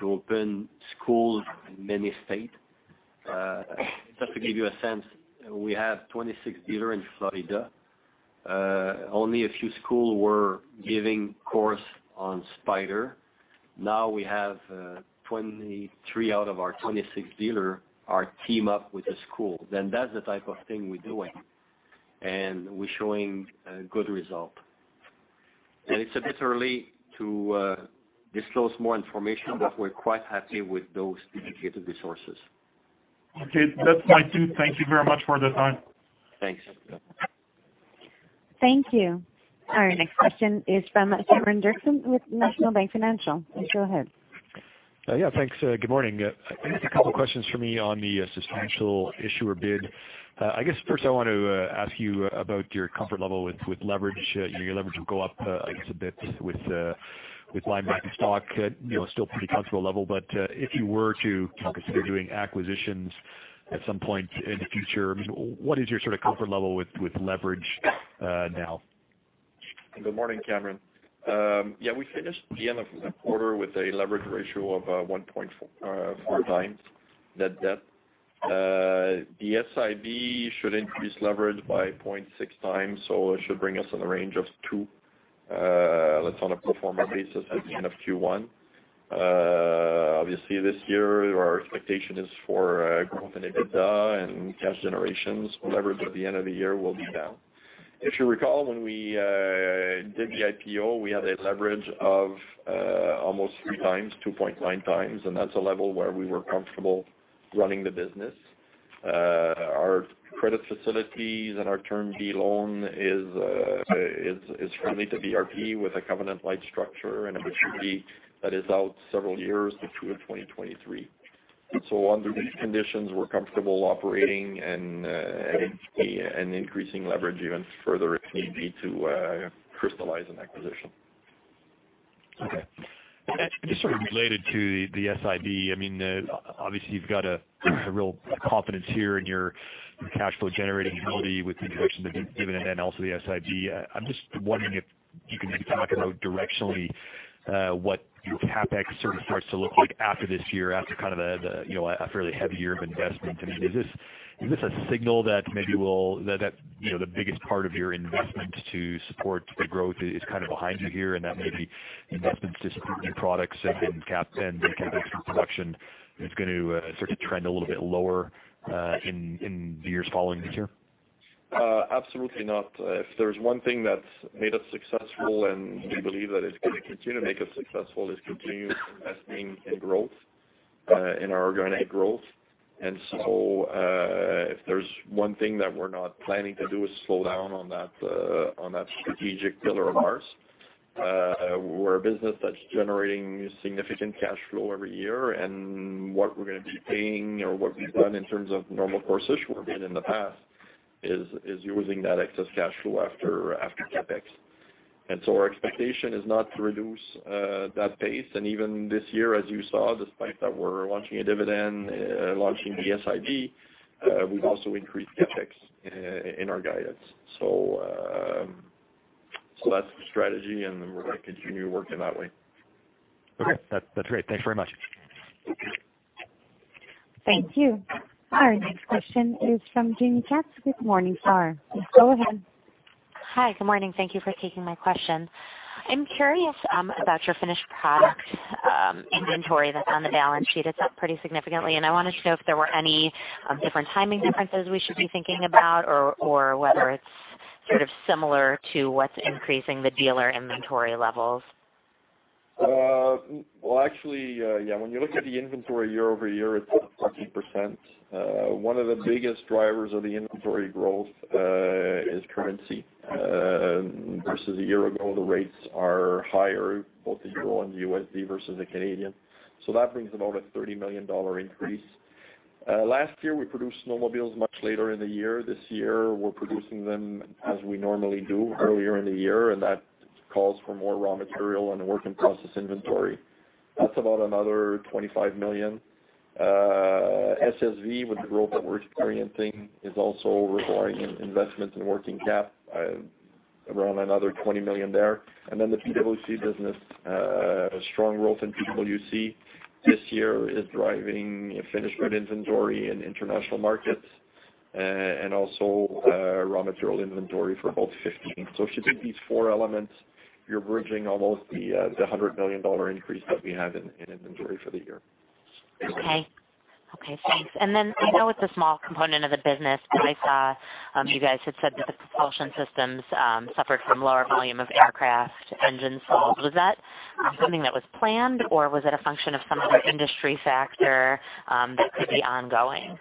to open schools in many state. Just to give you a sense, we have 26 dealer in Florida. Only a few school were giving course on Spyder. We have 23 out of our 26 dealer are team up with the school. That's the type of thing we're doing, we're showing good result. It's a bit early to disclose more information, but we're quite happy with those indicative resources. Okay. That's my two. Thank you very much for the time. Thanks. Thank you. Our next question is from Cameron Doerksen with National Bank Financial. Please go ahead. Thanks. Good morning. A couple questions for me on the Substantial Issuer Bid. First I want to ask you about your comfort level with leverage. Your leverage will go up, a bit with line back in stock, still pretty comfortable level, but if you were to consider doing acquisitions at some point in the future, what is your comfort level with leverage now? Good morning, Cameron. We finished the end of the quarter with a leverage ratio of 1.4x net debt. The SIB should increase leverage by 0.6x, so it should bring us in the range of 2. That's on a pro forma basis at the end of Q1. Obviously, this year, our expectation is for growth in EBITDA and cash generations. Leverage at the end of the year will be down. If you recall, when we did the IPO, we had a leverage of almost 3x, 2.9x, and that's a level where we were comfortable running the business. Our credit facilities and our Term B loan is linked to BRP with a covenant light structure and a maturity that is out several years to 2023. Under these conditions, we're comfortable operating and increasing leverage even further if need be to crystallize an acquisition. Okay. Just related to the SIB, obviously you've got a real confidence here in your cash flow generating ability with the introduction of the [dividend] and then also the SIB. I'm just wondering if you can maybe talk about directionally what your CapEx starts to look like after this year, after a fairly heavy year of investment. Is this a signal that the biggest part of your investment to support the growth is behind you here, and that maybe investments just in new products and CapEx in production is going to start to trend a little bit lower in the years following this year? Absolutely not. If there's one thing that's made us successful and we believe that it's going to continue to make us successful, is continued investing in our organic growth. If there's one thing that we're not planning to do is slow down on that strategic pillar of ours. We're a business that's generating significant cash flow every year, and what we're going to be paying or what we've done in terms of normal course issue or did in the past is using that excess cash flow after CapEx. Our expectation is not to reduce that pace. Even this year, as you saw, despite that we're launching a dividend, launching the SIB, we've also increased CapEx in our guidance. That's the strategy, and we're going to continue working that way. Okay. That's great. Thanks very much. Thank you. Our next question is from Jamie Katz with Morningstar Good morning, sir. Please go ahead. Hi. Good morning. Thank you for taking my question. I'm curious about your finished product inventory that's on the balance sheet. It's up pretty significantly, and I wanted to know if there were any different timing differences we should be thinking about, or whether it's similar to what's increasing the dealer inventory levels. Well, actually, when you look at the inventory year-over-year, it's up 10%. One of the biggest drivers of the inventory growth is currency versus a year ago. The rates are higher, both the euro and USD versus the Canadian. That brings about a 30 million dollar increase. Last year, we produced snowmobiles much later in the year. This year, we're producing them as we normally do earlier in the year, that calls for more raw material and work in process inventory. That's about another 25 million. SSV, with the growth that we're experiencing, is also requiring investment in working cap, around another 20 million there. The PWC business. Strong growth in PWC this year is driving finished good inventory in international markets and also raw material inventory for about 15 million. If you take these four elements, you're bridging almost the 100 million dollar increase that we have in inventory for the year. Okay. Thanks. I know it's a small component of the business, but I saw you guys had said that the propulsion systems suffered from lower volume of aircraft engines sold. Was that something that was planned, or was it a function of some other industry factor that could be ongoing?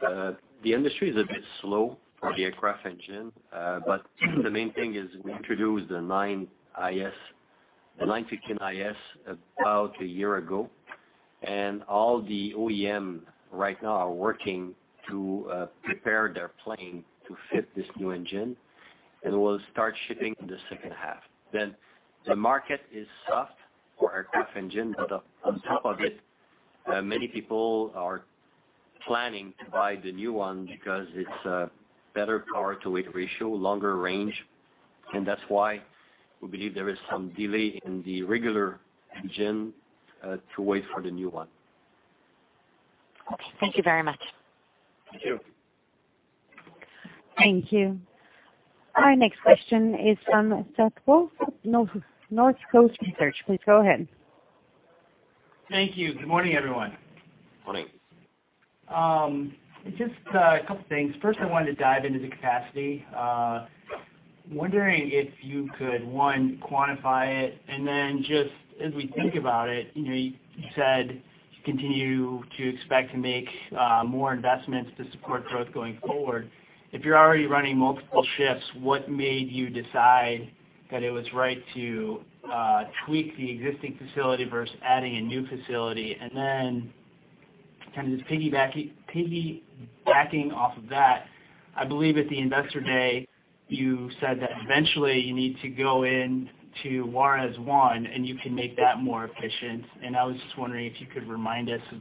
The industry is a bit slow for the aircraft engine. The main thing is we introduced the 915 iS about a year ago, and all the OEM right now are working to prepare their plane to fit this new engine, and we'll start shipping in the second half. The market is soft for aircraft engine, but on top of it, many people are planning to buy the new one because it's a better power to weight ratio, longer range, and that's why we believe there is some delay in the regular engine to wait for the new one. Okay. Thank you very much. Thank you. Thank you. Our next question is from Seth Weiss, North Coast Research. Please go ahead. Thank you. Good morning, everyone. Morning. Just a couple of things. First, I wanted to dive into the capacity. Wondering if you could, one, quantify it, and then just as we think about it, you said you continue to expect to make more investments to support growth going forward. If you're already running multiple shifts, what made you decide that it was right to tweak the existing facility versus adding a new facility? Just piggybacking off of that, I believe at the investor day, you said that eventually you need to go into Juarez I and you can make that more efficient. I was just wondering if you could remind us of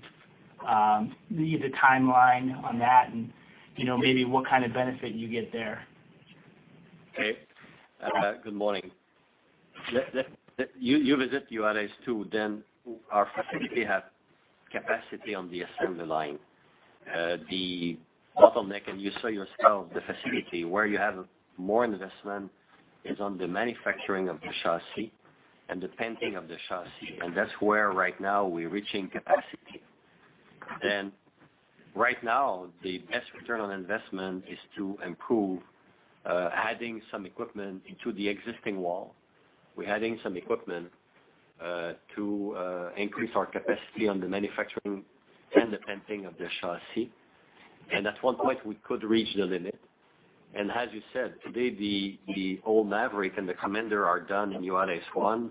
the timeline on that and maybe what kind of benefit you get there. Okay. Good morning. You visit Juarez II, our facility have capacity on the assembly line. The bottleneck, and you saw yourself the facility, where you have more investment is on the manufacturing of the chassis and the painting of the chassis, and that's where right now we're reaching capacity. Right now, the best return on investment is to improve, adding some equipment into the existing wall. We're adding some equipment to increase our capacity on the manufacturing and the painting of the chassis. At one point, we could reach the limit. As you said, today the old Maverick and the Commander are done in Juarez I.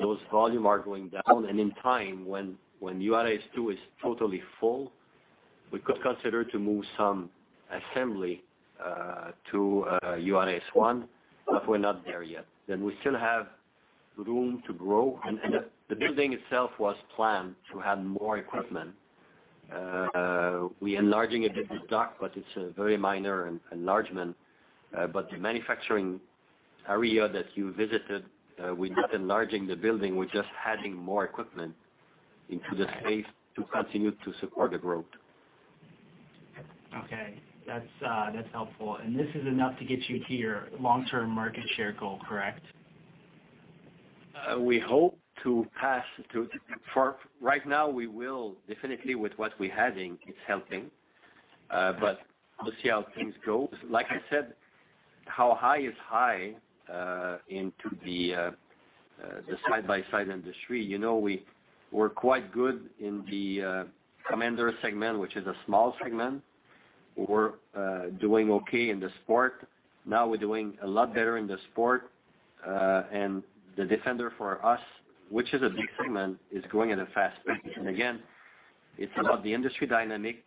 Those volume are going down, and in time when Juarez II is totally full, we could consider to move some assembly to Juarez I, but we're not there yet. We still have room to grow, and the building itself was planned to have more equipment. We enlarging a bit the dock, but it's a very minor enlargement. The manufacturing area that you visited, we're not enlarging the building, we're just adding more equipment into the space to continue to support the growth. Okay. That's helpful. This is enough to get you to your long-term market share goal, correct? We hope to pass. Right now, we will definitely with what we're adding, it's helping. We'll see how things go. Like I said, how high is high into the side-by-side industry. We were quite good in the Commander segment, which is a small segment. We were doing okay in the sport. Now we're doing a lot better in the sport. The Defender for us, which is a big segment, is growing at a fast pace. Again, it's about the industry dynamic,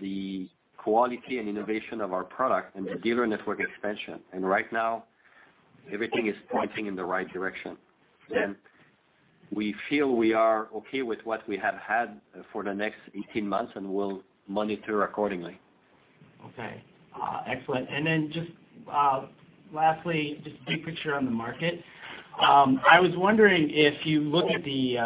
the quality and innovation of our product, and the dealer network expansion. Right now, everything is pointing in the right direction. We feel we are okay with what we have had for the next 18 months, and we'll monitor accordingly. Okay. Excellent. Just lastly, just big picture on the market. I was wondering if you look at the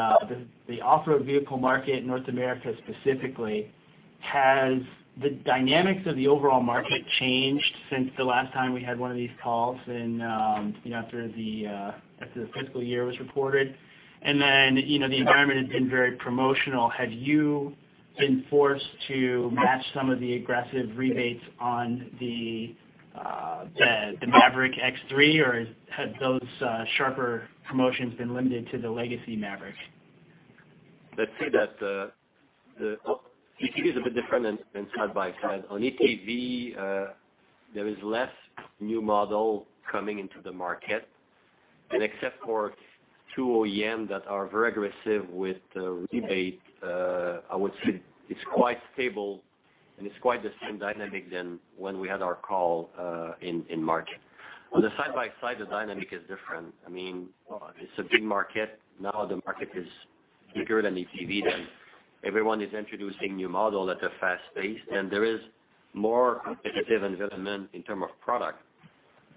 off-road vehicle market in North America specifically, has the dynamics of the overall market changed since the last time we had one of these calls after the fiscal year was reported? The environment had been very promotional. Have you been forced to match some of the aggressive rebates on the Maverick X3, or have those sharper promotions been limited to the legacy Maverick? I'd say that the UTV is a bit different than side-by-side. On UTV, there is less new model coming into the market. Except for two OEM that are very aggressive with rebate, I would say it's quite stable and it's quite the same dynamic than when we had our call in March. On the side-by-side, the dynamic is different. It's a big market. Now the market is bigger than UTV, and everyone is introducing new model at a fast pace, and there is more competitive investment in term of product.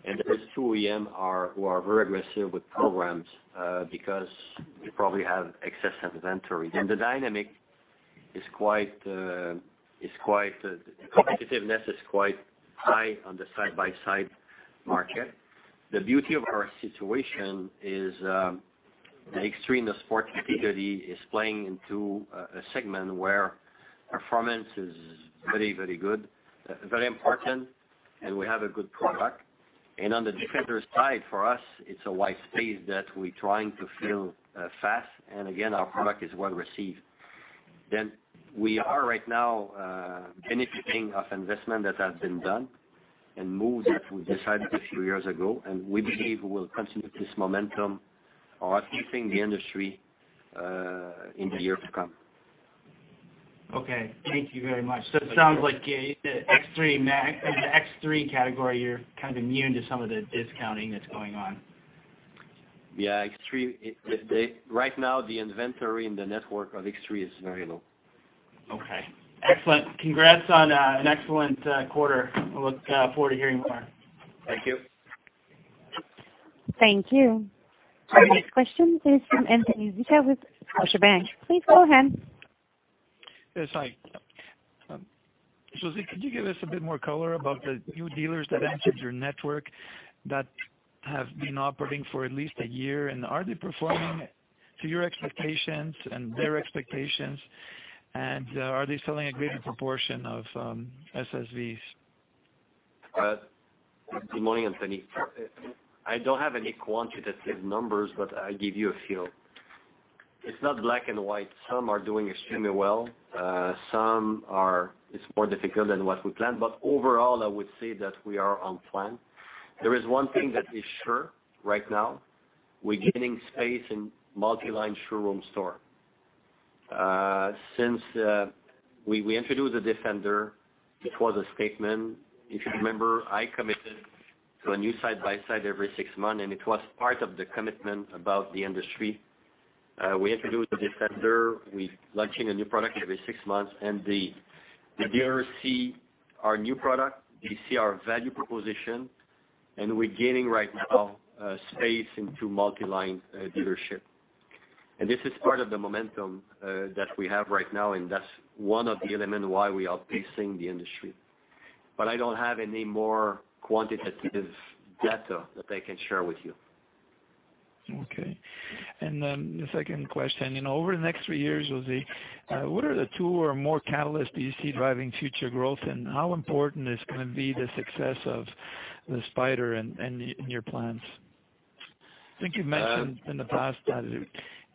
There is two OEM who are very aggressive with programs because they probably have excess inventory. The dynamic, competitiveness is quite high on the side-by-side market. The beauty of our situation is the X3 Sport UTV is playing into a segment where performance is very good, very important, and we have a good product. On the Defender side, for us, it's a wide space that we're trying to fill fast. Again, our product is well-received. We are right now, benefiting off investment that has been done and moves that we decided a few years ago, we believe we will continue this momentum of outpacing the industry in the years to come. Okay. Thank you very much. It sounds like the X3 category, you're kind of immune to some of the discounting that's going on. Yeah, X3, right now the inventory in the network of X3 is very low. Okay. Excellent. Congrats on an excellent quarter. I look forward to hearing more. Thank you. Thank you. Our next question is from Anthony Zicha with Scotiabank. Please go ahead. Yes, hi. José, could you give us a bit more color about the new dealers that entered your network that have been operating for at least a year, and are they performing to your expectations and their expectations, and are they selling a greater proportion of SSVs? Good morning, Anthony. I don't have any quantitative numbers, but I'll give you a feel. It's not black and white. Some are doing extremely well. It's more difficult than what we planned. Overall, I would say that we are on plan. There is one thing that is sure right now. We're gaining space in multi-line showroom store. Since we introduced the Defender, it was a statement. If you remember, I committed So a new side-by-side every six months, and it was part of the commitment about the industry. We introduced the Defender. We're launching a new product every six months, and the dealers see our new product, they see our value proposition, and we're gaining, right now, space into multi-line dealership. This is part of the momentum that we have right now, and that's one of the elements why we are outpacing the industry. I don't have any more quantitative data that I can share with you. Okay. The second question. Over the next three years, José, what are the two or more catalysts that you see driving future growth, and how important is going to be the success of the Spyder in your plans? I think you've mentioned in the past that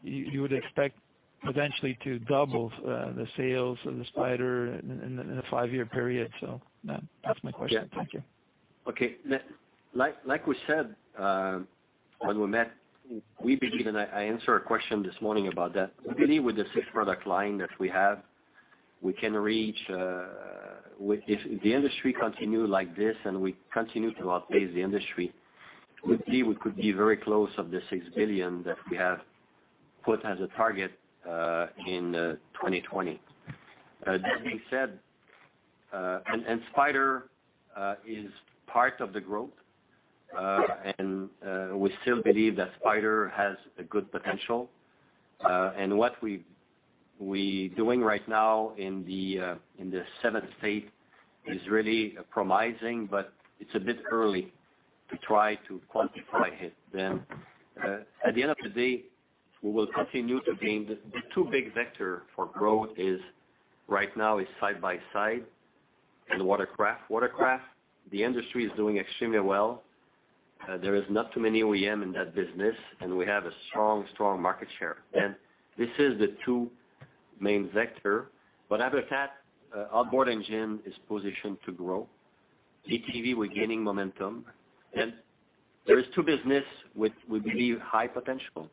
you would expect eventually to double the sales of the Spyder in a five-year period. That's my question. Thank you. Okay. Like we said, when we met, we believe, and I answered a question this morning about that. We believe with the six product line that we have, if the industry continue like this and we continue to outpace the industry, we believe we could be very close of the 6 billion that we have put as a target in 2020. That being said, Spyder is part of the growth. We still believe that Spyder has a good potential. What we doing right now in the seventh phase is really promising, but it's a bit early to try to quantify it. At the end of the day, the two big vector for growth right now is side-by-side and Watercraft. Watercraft, the industry is doing extremely well. There is not too many OEM in that business, and we have a strong market share. This is the two main vector. Other than that, Outboard engine is positioned to grow. ATV, we're gaining momentum. There is two business which we believe high potential.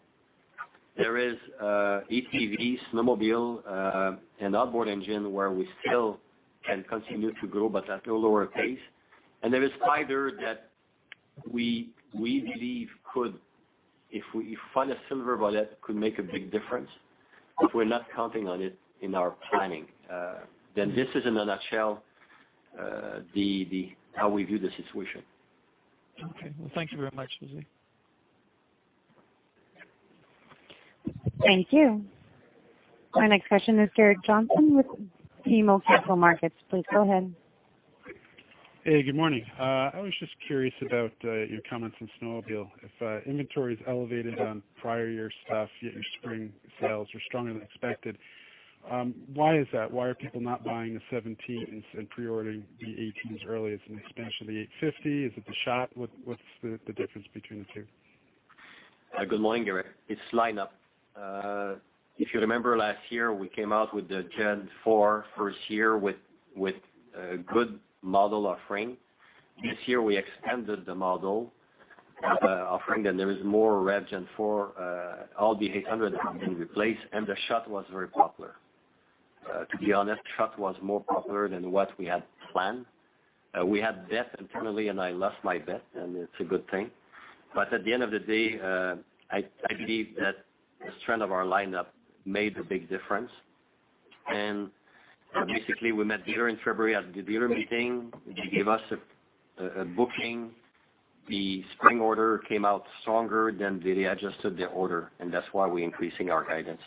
There is ATVs, Snowmobile, and Outboard engine, where we still can continue to grow, but at a lower pace. There is Spyder that we believe could, if we find a silver bullet, could make a big difference, but we're not counting on it in our planning. This is, in a nutshell, how we view the situation. Okay. Well, thank you very much, José. Thank you. Our next question is Derek Johnson with BMO Capital Markets. Please go ahead. Hey, good morning. I was just curious about your comments on snowmobile. If inventory is elevated on prior year stuff, yet your spring sales were stronger than expected, why is that? Why are people not buying the 2017s and pre-ordering the 2018s early? Is it an expansion of the 850? Is it the SHOT? What's the difference between the two? Good morning, Derek. It's lineup. If you remember last year, we came out with the REV Gen4 first year with good model offering. This year, we extended the model offering, there is more REV Gen for all the 800 have been replaced, and the SHOT was very popular. To be honest, SHOT was more popular than what we had planned. We had bet internally, and I lost my bet, and it's a good thing. At the end of the day, I believe that the strength of our lineup made a big difference. Basically, we met dealer in February at the dealer meeting. They gave us a booking. The spring order came out stronger than they readjusted their order, and that's why we're increasing our guidance.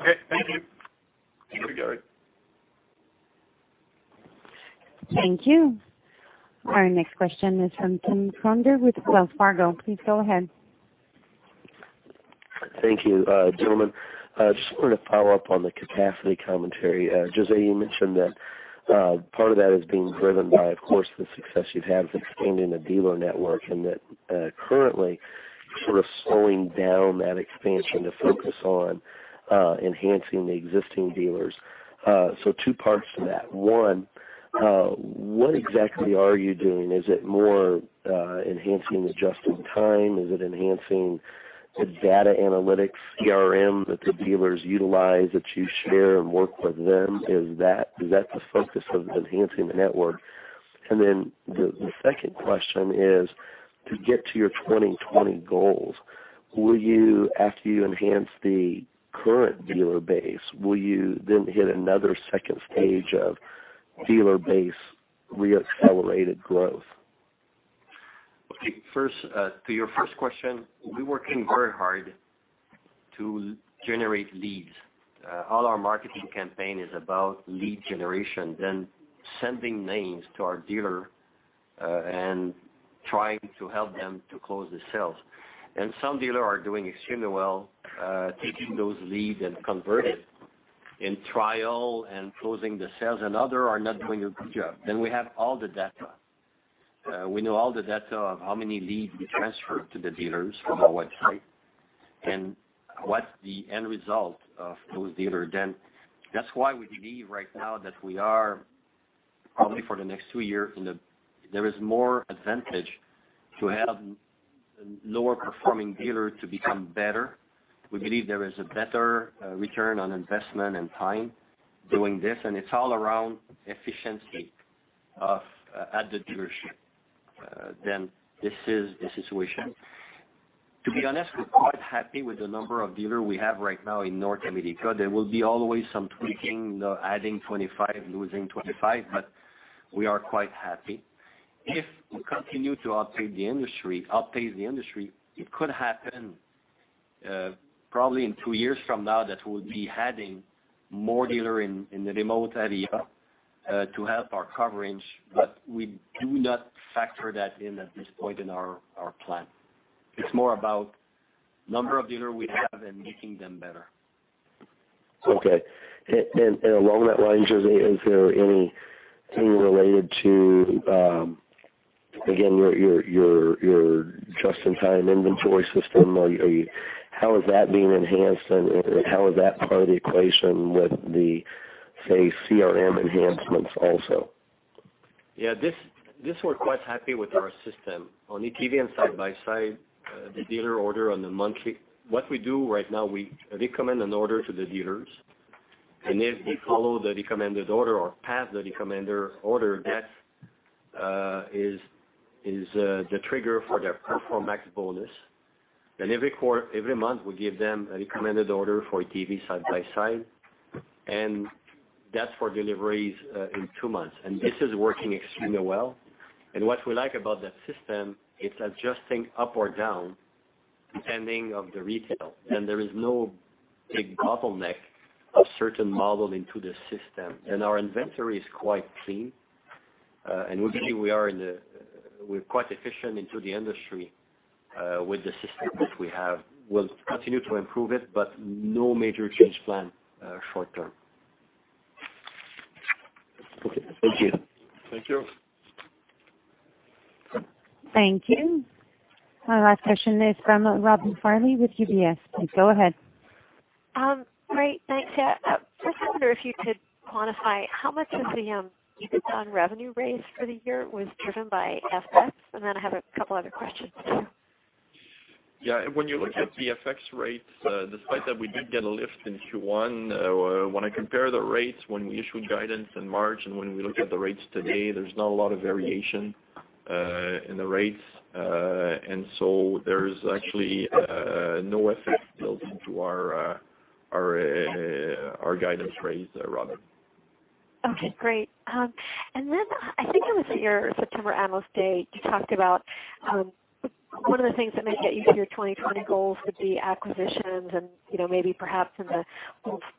Okay. Thank you. Thank you, Derek. Thank you. Our next question is from Tim Conder with Wells Fargo. Please go ahead. Thank you. Gentlemen, just wanted to follow up on the capacity commentary. José, you mentioned that part of that is being driven by, of course, the success you've had with expanding the dealer network and that currently you're sort of slowing down that expansion to focus on enhancing the existing dealers. Two parts to that. One, what exactly are you doing? Is it more enhancing the just-in-time? Is it enhancing the data analytics CRM that the dealers utilize, that you share and work with them? Is that the focus of enhancing the network? The second question is: to get to your 2020 goals, after you enhance the current dealer base, will you then hit another second stage of dealer base re-accelerated growth? Okay. To your first question, we're working very hard to generate leads. All our marketing campaign is about lead generation, then sending names to our dealers, and trying to help them to close the sales. Some dealers are doing extremely well, taking those leads and convert it in trial and closing the sales, and other are not doing a good job. We have all the data. We know all the data of how many leads we transferred to the dealers from our website and what's the end result of those dealers. That's why we believe right now that we are, probably for the next two years, in the There is more advantage to have a lower performing dealer to become better. We believe there is a better return on investment and time doing this, and it's all around efficiency at the dealership than this is the situation. To be honest, we're quite happy with the number of dealers we have right now in North America. There will be always some tweaking, adding 25, losing 25, but we are quite happy. If we continue to outpace the industry, it could happen probably in two years from now that we'll be adding more dealers in the remote area to help our coverage. We do not factor that in at this point in our plan. It's more about the number of dealers we have and making them better. Okay. Along that line, José, is there anything related to, again, your just-in-time inventory system? How is that being enhanced, and how is that part of the equation with the, say, CRM enhancements also? Yeah. This we're quite happy with our system. On ATV and side-by-side, the dealer order on the monthly. What we do right now, we recommend an order to the dealers, and if they follow the recommended order or pass the recommended order, that is the trigger for their Performex bonus. Every month, we give them a recommended order for ATV side-by-side, and that's for deliveries in two months. This is working extremely well. What we like about that system, it's adjusting up or down depending of the retail. There is no big bottleneck of a certain model into the system. Our inventory is quite clean. We believe we are quite efficient into the industry with the system that we have. We'll continue to improve it, but no major change plan short-term. Okay. Thank you. Thank you. Thank you. Our last question is from Robin Farley with UBS. Go ahead. Great. Thanks. I just wonder if you could quantify how much of the EBITDA revenue raise for the year was driven by FX, and then I have a couple other questions. Yeah. When you look at the FX rates, despite that we did get a lift in Q1, when I compare the rates when we issued guidance in March and when we look at the rates today, there's not a lot of variation in the rates. So there's actually no FX built into our guidance raise, Robin. Okay, great. I think it was your September Analyst Day, you talked about one of the things that might get you to your 2020 goals would be acquisitions and maybe perhaps in the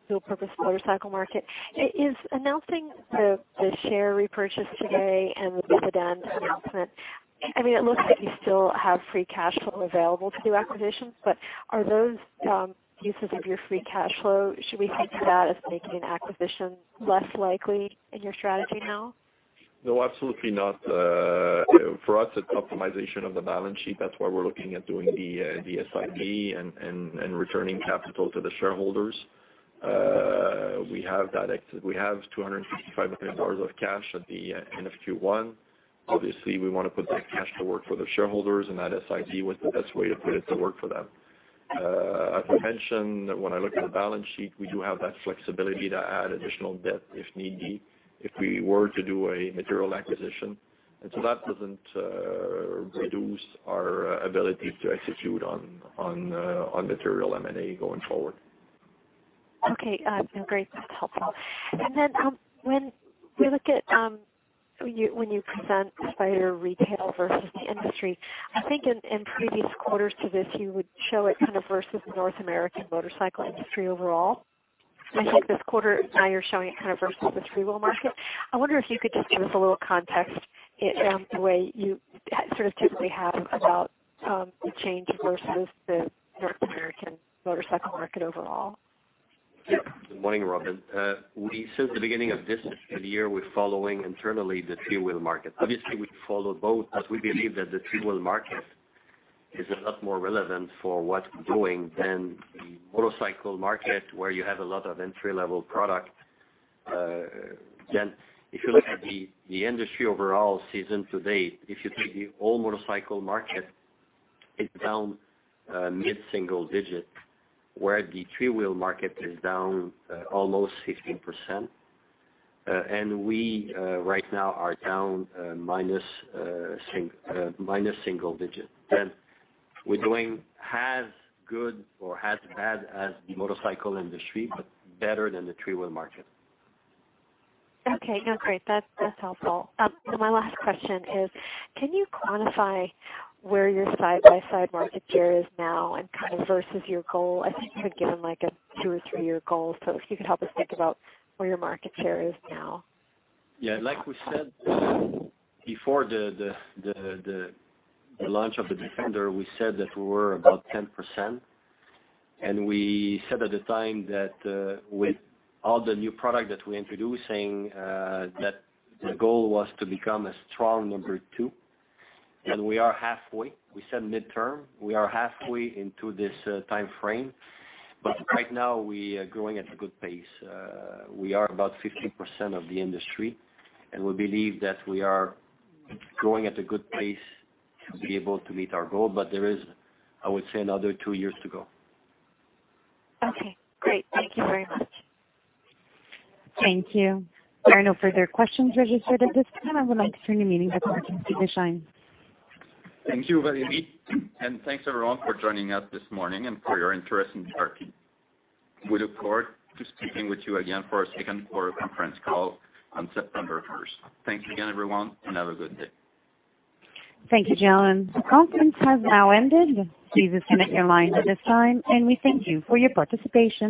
all-purpose motorcycle market. Is announcing the share repurchase today and the dividend announcement, it looks like you still have free cash flow available to do acquisitions, but are those uses of your free cash flow? Should we think of that as making an acquisition less likely in your strategy now? No, absolutely not. For us, it's optimization of the balance sheet. That's why we're looking at doing the SIB and returning capital to the shareholders. We have 255 million dollars of cash at the end of Q1. Obviously, we want to put that cash to work for the shareholders, and that SIB was the best way to put it to work for them. As I mentioned, when I look at the balance sheet, we do have that flexibility to add additional debt if need be, if we were to do a material acquisition. So that doesn't reduce our ability to execute on material M&A going forward. Okay. No, great. That's helpful. When you present Spyder retail versus the industry, I think in previous quarters to this, you would show it kind of versus North American motorcycle industry overall. I think this quarter now you're showing it kind of versus the three-wheel market. I wonder if you could just give us a little context in the way you sort of typically have about the change versus the North American motorcycle market overall. Good morning, Robin. Since the beginning of this year, we're following internally the three-wheel market. Obviously, we follow both as we believe that the three-wheel market is a lot more relevant for what we're doing than the motorcycle market where you have a lot of entry-level product. If you look at the industry overall season to date, if you take the whole motorcycle market, it's down mid-single digit, where the three-wheel market is down almost 16%. We right now are down minus single digit. We're doing as good or as bad as the motorcycle industry, but better than the three-wheel market. Okay. No, great. That's helpful. My last question is, can you quantify where your side-by-side market share is now and kind of versus your goal? I think you had given like a two or three-year goal. If you could help us think about where your market share is now. Yeah. Like we said before the launch of the Defender, we said that we were about 10%. We said at the time that with all the new product that we're introducing, that the goal was to become a strong number 2. We are halfway. We said midterm. We are halfway into this timeframe. Right now, we are growing at a good pace. We are about 15% of the industry, and we believe that we are growing at a good pace to be able to meet our goal, but there is, I would say, another two years to go. Okay, great. Thank you very much. Thank you. There are no further questions registered at this time. I would like to turn the meeting back over to you, Sébastien. Thank you, Valerie. Thanks, everyone, for joining us this morning and for your interest in BRP. We look forward to speaking with you again for our second quarter conference call on September 1st. Thanks again, everyone, and have a good day. Thank you, Sébastien. This conference has now ended. Please disconnect your lines at this time, and we thank you for your participation.